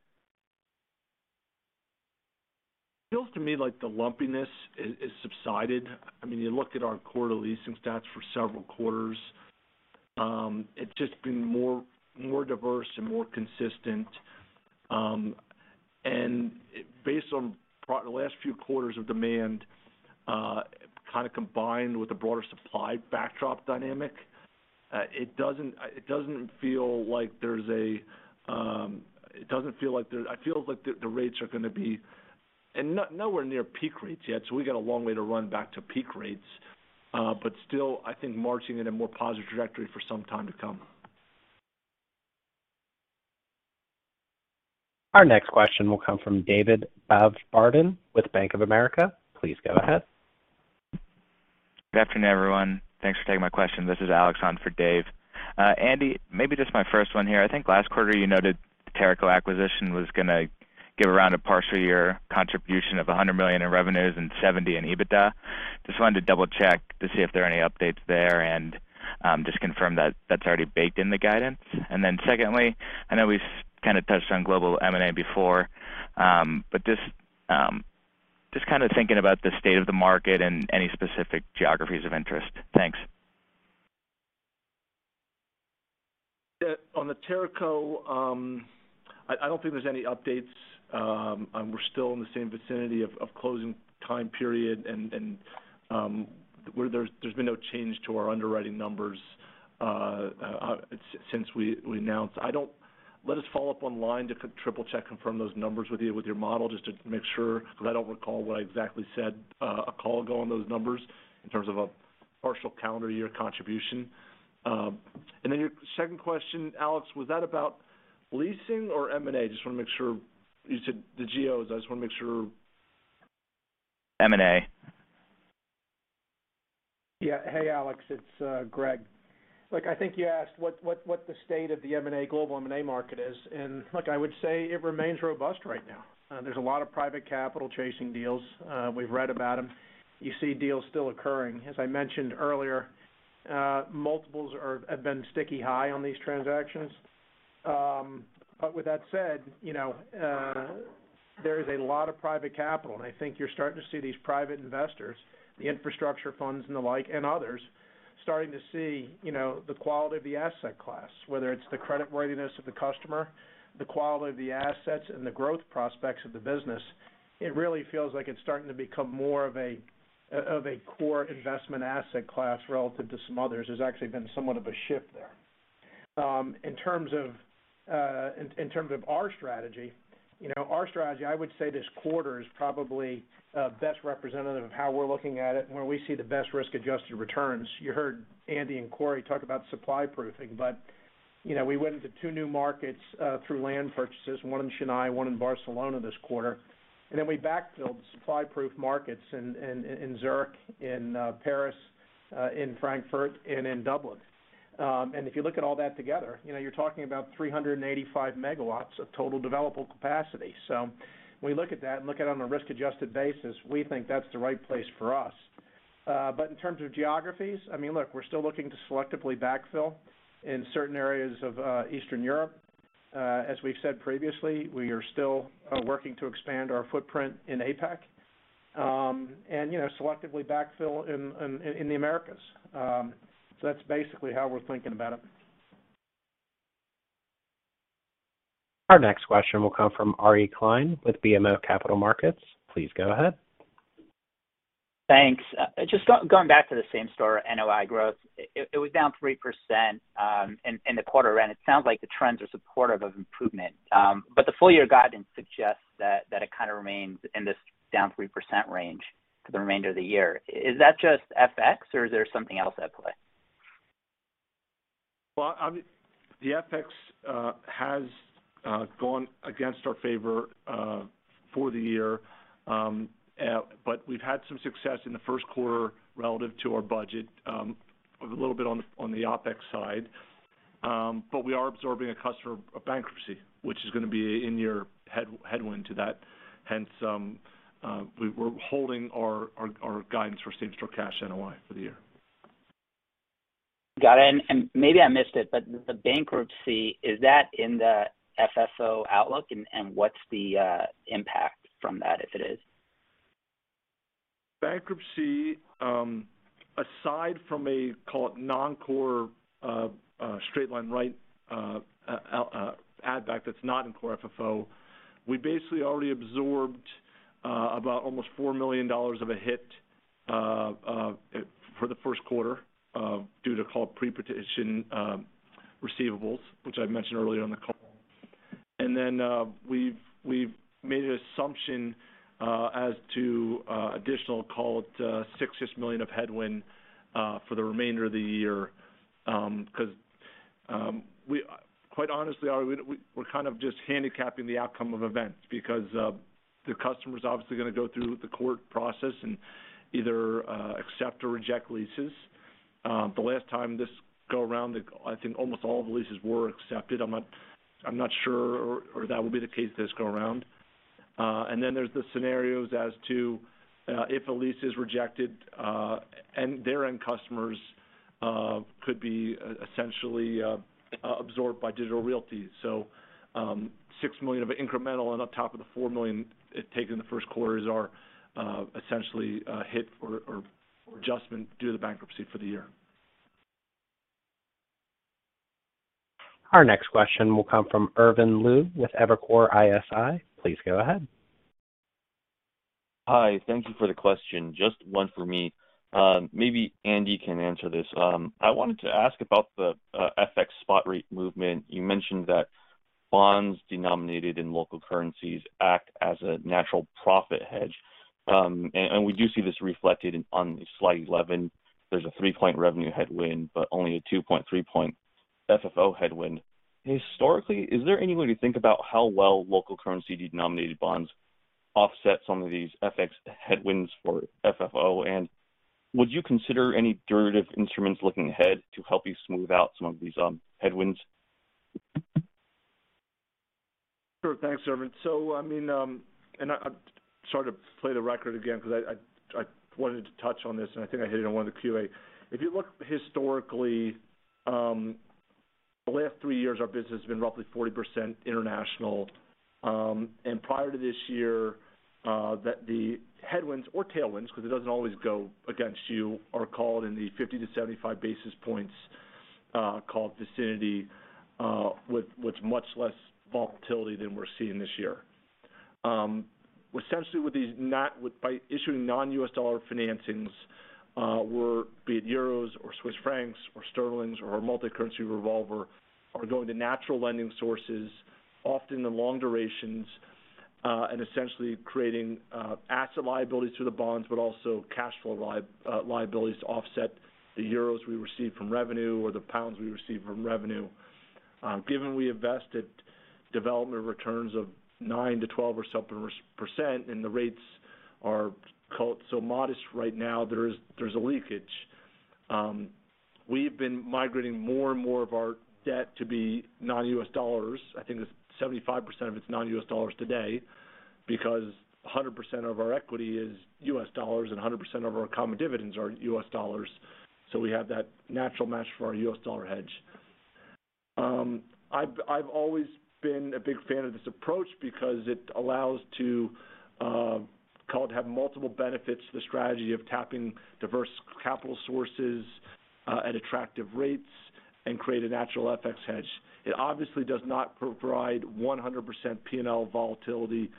Feels to me like the lumpiness is subsided. I mean, you look at our quarterly leasing stats for several quarters, it's just been more diverse and more consistent. Based on the last few quarters of demand, kind of combined with the broader supply backdrop dynamic. I feel like the rates are gonna be nowhere near peak rates yet, so we got a long way to run back to peak rates, but still, I think marching in a more positive trajectory for some time to come. Our next question will come from David Barden with Bank of America. Please go ahead. Good afternoon, everyone. Thanks for taking my question. This is Alex on for Dave. Andy, maybe just my first one here. I think last quarter you noted the Teraco acquisition was gonna give around a partial year contribution of $100 million in revenues and $70 million in EBITDA. Just wanted to double check to see if there are any updates there and just confirm that that's already baked in the guidance. Then secondly, I know we've kind of touched on global M&A before, but just kind of thinking about the state of the market and any specific geographies of interest. Thanks. Yeah. On the Teraco, I don't think there's any updates. We're still in the same vicinity of closing time period, and where there's been no change to our underwriting numbers since we announced. Let us follow up offline to 10-K triple check, confirm those numbers with you with your model just to make sure, because I don't recall what I exactly said a call ago on those numbers in terms of a partial calendar year contribution. Then your second question, Alex, was that about leasing or M&A? Just wanna make sure you said the geos. I just wanna make sure. M&A. Yeah. Hey, Alex. It's, Greg. Look, I think you asked what the state of the M&A, global M&A market is. Look, I would say it remains robust right now. There's a lot of private capital chasing deals. We've read about them. You see deals still occurring. As I mentioned earlier, multiples have been sticky high on these transactions. But with that said, you know, there is a lot of private capital, and I think you're starting to see these private investors, the infrastructure funds and the like, and others starting to see, you know, the quality of the asset class, whether it's the creditworthiness of the customer, the quality of the assets, and the growth prospects of the business. It really feels like it's starting to become more of a core investment asset class relative to some others. There's actually been somewhat of a shift there. In terms of our strategy, you know, I would say this quarter is probably best representative of how we're looking at it and where we see the best risk-adjusted returns. You heard Andy and Corey talk about supply proofing, but, you know, we went into two new markets through land purchases, one in Chennai, one in Barcelona this quarter. We backfilled supply proof markets in Zurich, in Paris, in Frankfurt, and in Dublin. If you look at all that together, you know, you're talking about 385 MW of total developable capacity. When we look at that and look at it on a risk-adjusted basis, we think that's the right place for us. In terms of geographies, I mean, look, we're still looking to selectively backfill in certain areas of Eastern Europe. As we've said previously, we are still working to expand our footprint in APAC, and, you know, selectively backfill in the Americas. That's basically how we're thinking about it. Our next question will come from Ari Klein with BMO Capital Markets. Please go ahead. Thanks. Just going back to the same-store NOI growth. It was down 3% in the quarter, and it sounds like the trends are supportive of improvement. The full year guidance suggests that it kind of remains in this down 3% range for the remainder of the year. Is that just FX or is there something else at play? Well, the FX has gone against our favor for the year, but we've had some success in the first quarter relative to our budget, a little bit on the OpEx side. But we are absorbing a customer bankruptcy, which is gonna be a headwind to that. Hence, we're holding our guidance for same-store cash NOI for the year. Got it. Maybe I missed it, but the bankruptcy, is that in the FFO outlook? What's the impact from that, if it is? Bankruptcy, aside from a call it non-core straight line right add back that's not in core FFO, we basically already absorbed about almost $4 million of a hit for the first quarter due to called pre-petition receivables, which I mentioned earlier on the call. Then we've made an assumption as to additional call it $6-ish million of headwind for the remainder of the year. 'Cause quite honestly, Ari, we're kind of just handicapping the outcome of events because the customer's obviously gonna go through the court process and either accept or reject leases. The last time this go around, I think almost all the leases were accepted. I'm not sure if that will be the case this go around. There's the scenarios as to if a lease is rejected and their end customers could be essentially absorbed by Digital Realty. $6 million of incremental and on top of the $4 million taken in the first quarter is our essentially hit for or adjustment due to the bankruptcy for the year. Our next question will come from Irvin Liu with Evercore ISI. Please go ahead. Hi. Thank you for the question. Just one for me. Maybe Andy can answer this. I wanted to ask about the FX spot rate movement. You mentioned that bonds denominated in local currencies act as a natural profit hedge. We do see this reflected on slide 11. There's a 3-point revenue headwind, but only a 2.3-point FFO headwind. Historically, is there any way to think about how well local currency denominated bonds offset some of these FX headwinds for FFO? Would you consider any derivative instruments looking ahead to help you smooth out some of these headwinds? Sure. Thanks, Irvin. I mean, I wanted to touch on this and I think I hit it on one of the Q&A. If you look historically, the last three years, our business has been roughly 40% international. Prior to this year, the headwinds or tailwinds, because it doesn't always go against you, are in the 50-75 basis points in the vicinity with much less volatility than we're seeing this year. Essentially by issuing non-U.S. dollar financings, we're, be it euros or Swiss francs or sterling or our multicurrency revolver, going to natural lending sources, often in long durations, and essentially creating asset liabilities through the bonds, but also cash flow liabilities to offset the euros we receive from revenue or the pounds we receive from revenue. Given we invest at development returns of 9%-12% or something, and the rates are so modest right now, there's a leakage. We've been migrating more and more of our debt to be non-U.S. dollars. I think it's 75% of it's non-U.S. dollars today because 100% of our equity is U.S. dollars and 100% of our common dividends are U.S. dollars, so we have that natural match for our U.S. dollar hedge. I've always been a big fan of this approach because it allows to have multiple benefits, the strategy of tapping diverse capital sources at attractive rates and create a natural FX hedge. It obviously does not provide 100% P&L volatility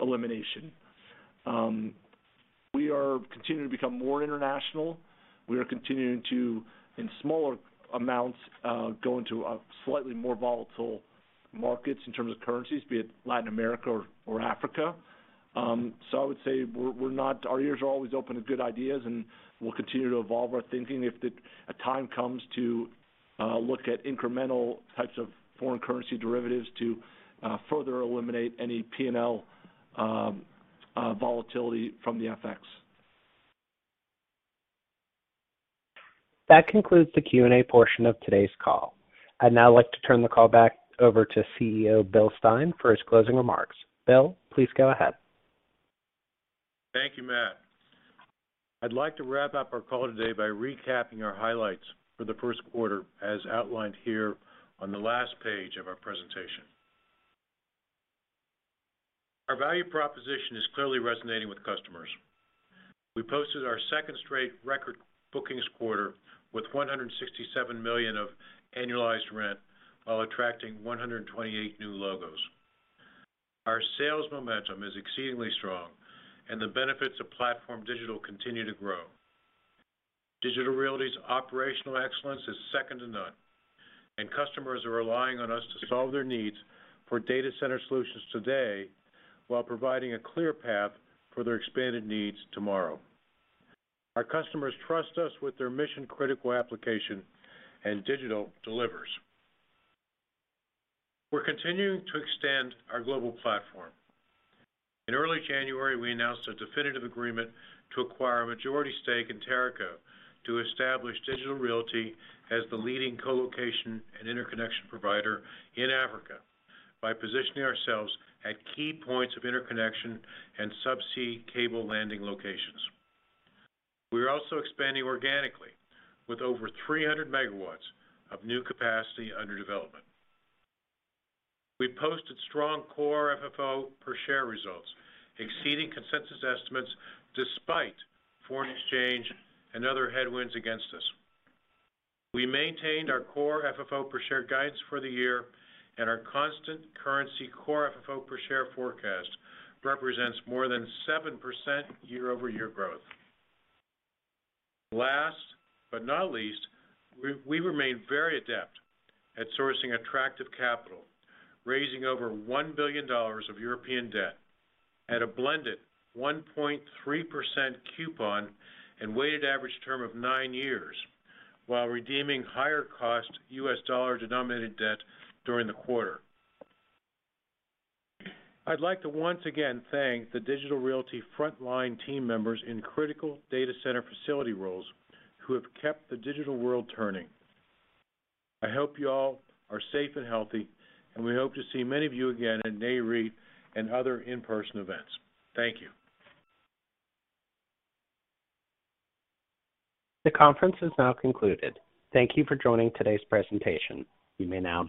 elimination. We are continuing to become more international. We are continuing to, in smaller amounts, go into a slightly more volatile markets in terms of currencies, be it Latin America or Africa. I would say our ears are always open to good ideas, and we'll continue to evolve our thinking if a time comes to look at incremental types of foreign currency derivatives to further eliminate any P&L volatility from the FX. That concludes the Q&A portion of today's call. I'd now like to turn the call back over to CEO Bill Stein for his closing remarks. Bill, please go ahead. Thank you, Matt. I'd like to wrap up our call today by recapping our highlights for the first quarter as outlined here on the last page of our presentation. Our value proposition is clearly resonating with customers. We posted our second straight record bookings quarter with $167 million of annualized rent while attracting 128 new logos. Our sales momentum is exceedingly strong and the benefits of PlatformDIGITAL continue to grow. Digital Realty's operational excellence is second to none, and customers are relying on us to solve their needs for data center solutions today while providing a clear path for their expanded needs tomorrow. Our customers trust us with their mission-critical application, and Digital delivers. We're continuing to extend our global platform. In early January, we announced a definitive agreement to acquire a majority stake in Teraco to establish Digital Realty as the leading colocation and interconnection provider in Africa by positioning ourselves at key points of interconnection and subsea cable landing locations. We are also expanding organically with over 300 MW of new capacity under development. We posted strong core FFO per share results, exceeding consensus estimates despite foreign exchange and other headwinds against us. We maintained our core FFO per share guidance for the year, and our constant currency core FFO per share forecast represents more than 7% year-over-year growth. Last but not least, we remain very adept at sourcing attractive capital, raising over $1 billion of European debt at a blended 1.3% coupon and weighted average term of nine years while redeeming higher cost U.S. dollar denominated debt during the quarter. I'd like to once again thank the Digital Realty frontline team members in critical data center facility roles who have kept the digital world turning. I hope you all are safe and healthy, and we hope to see many of you again at Nareit and other in-person events. Thank you. The conference has now concluded. Thank you for joining today's presentation. You may now disconnect.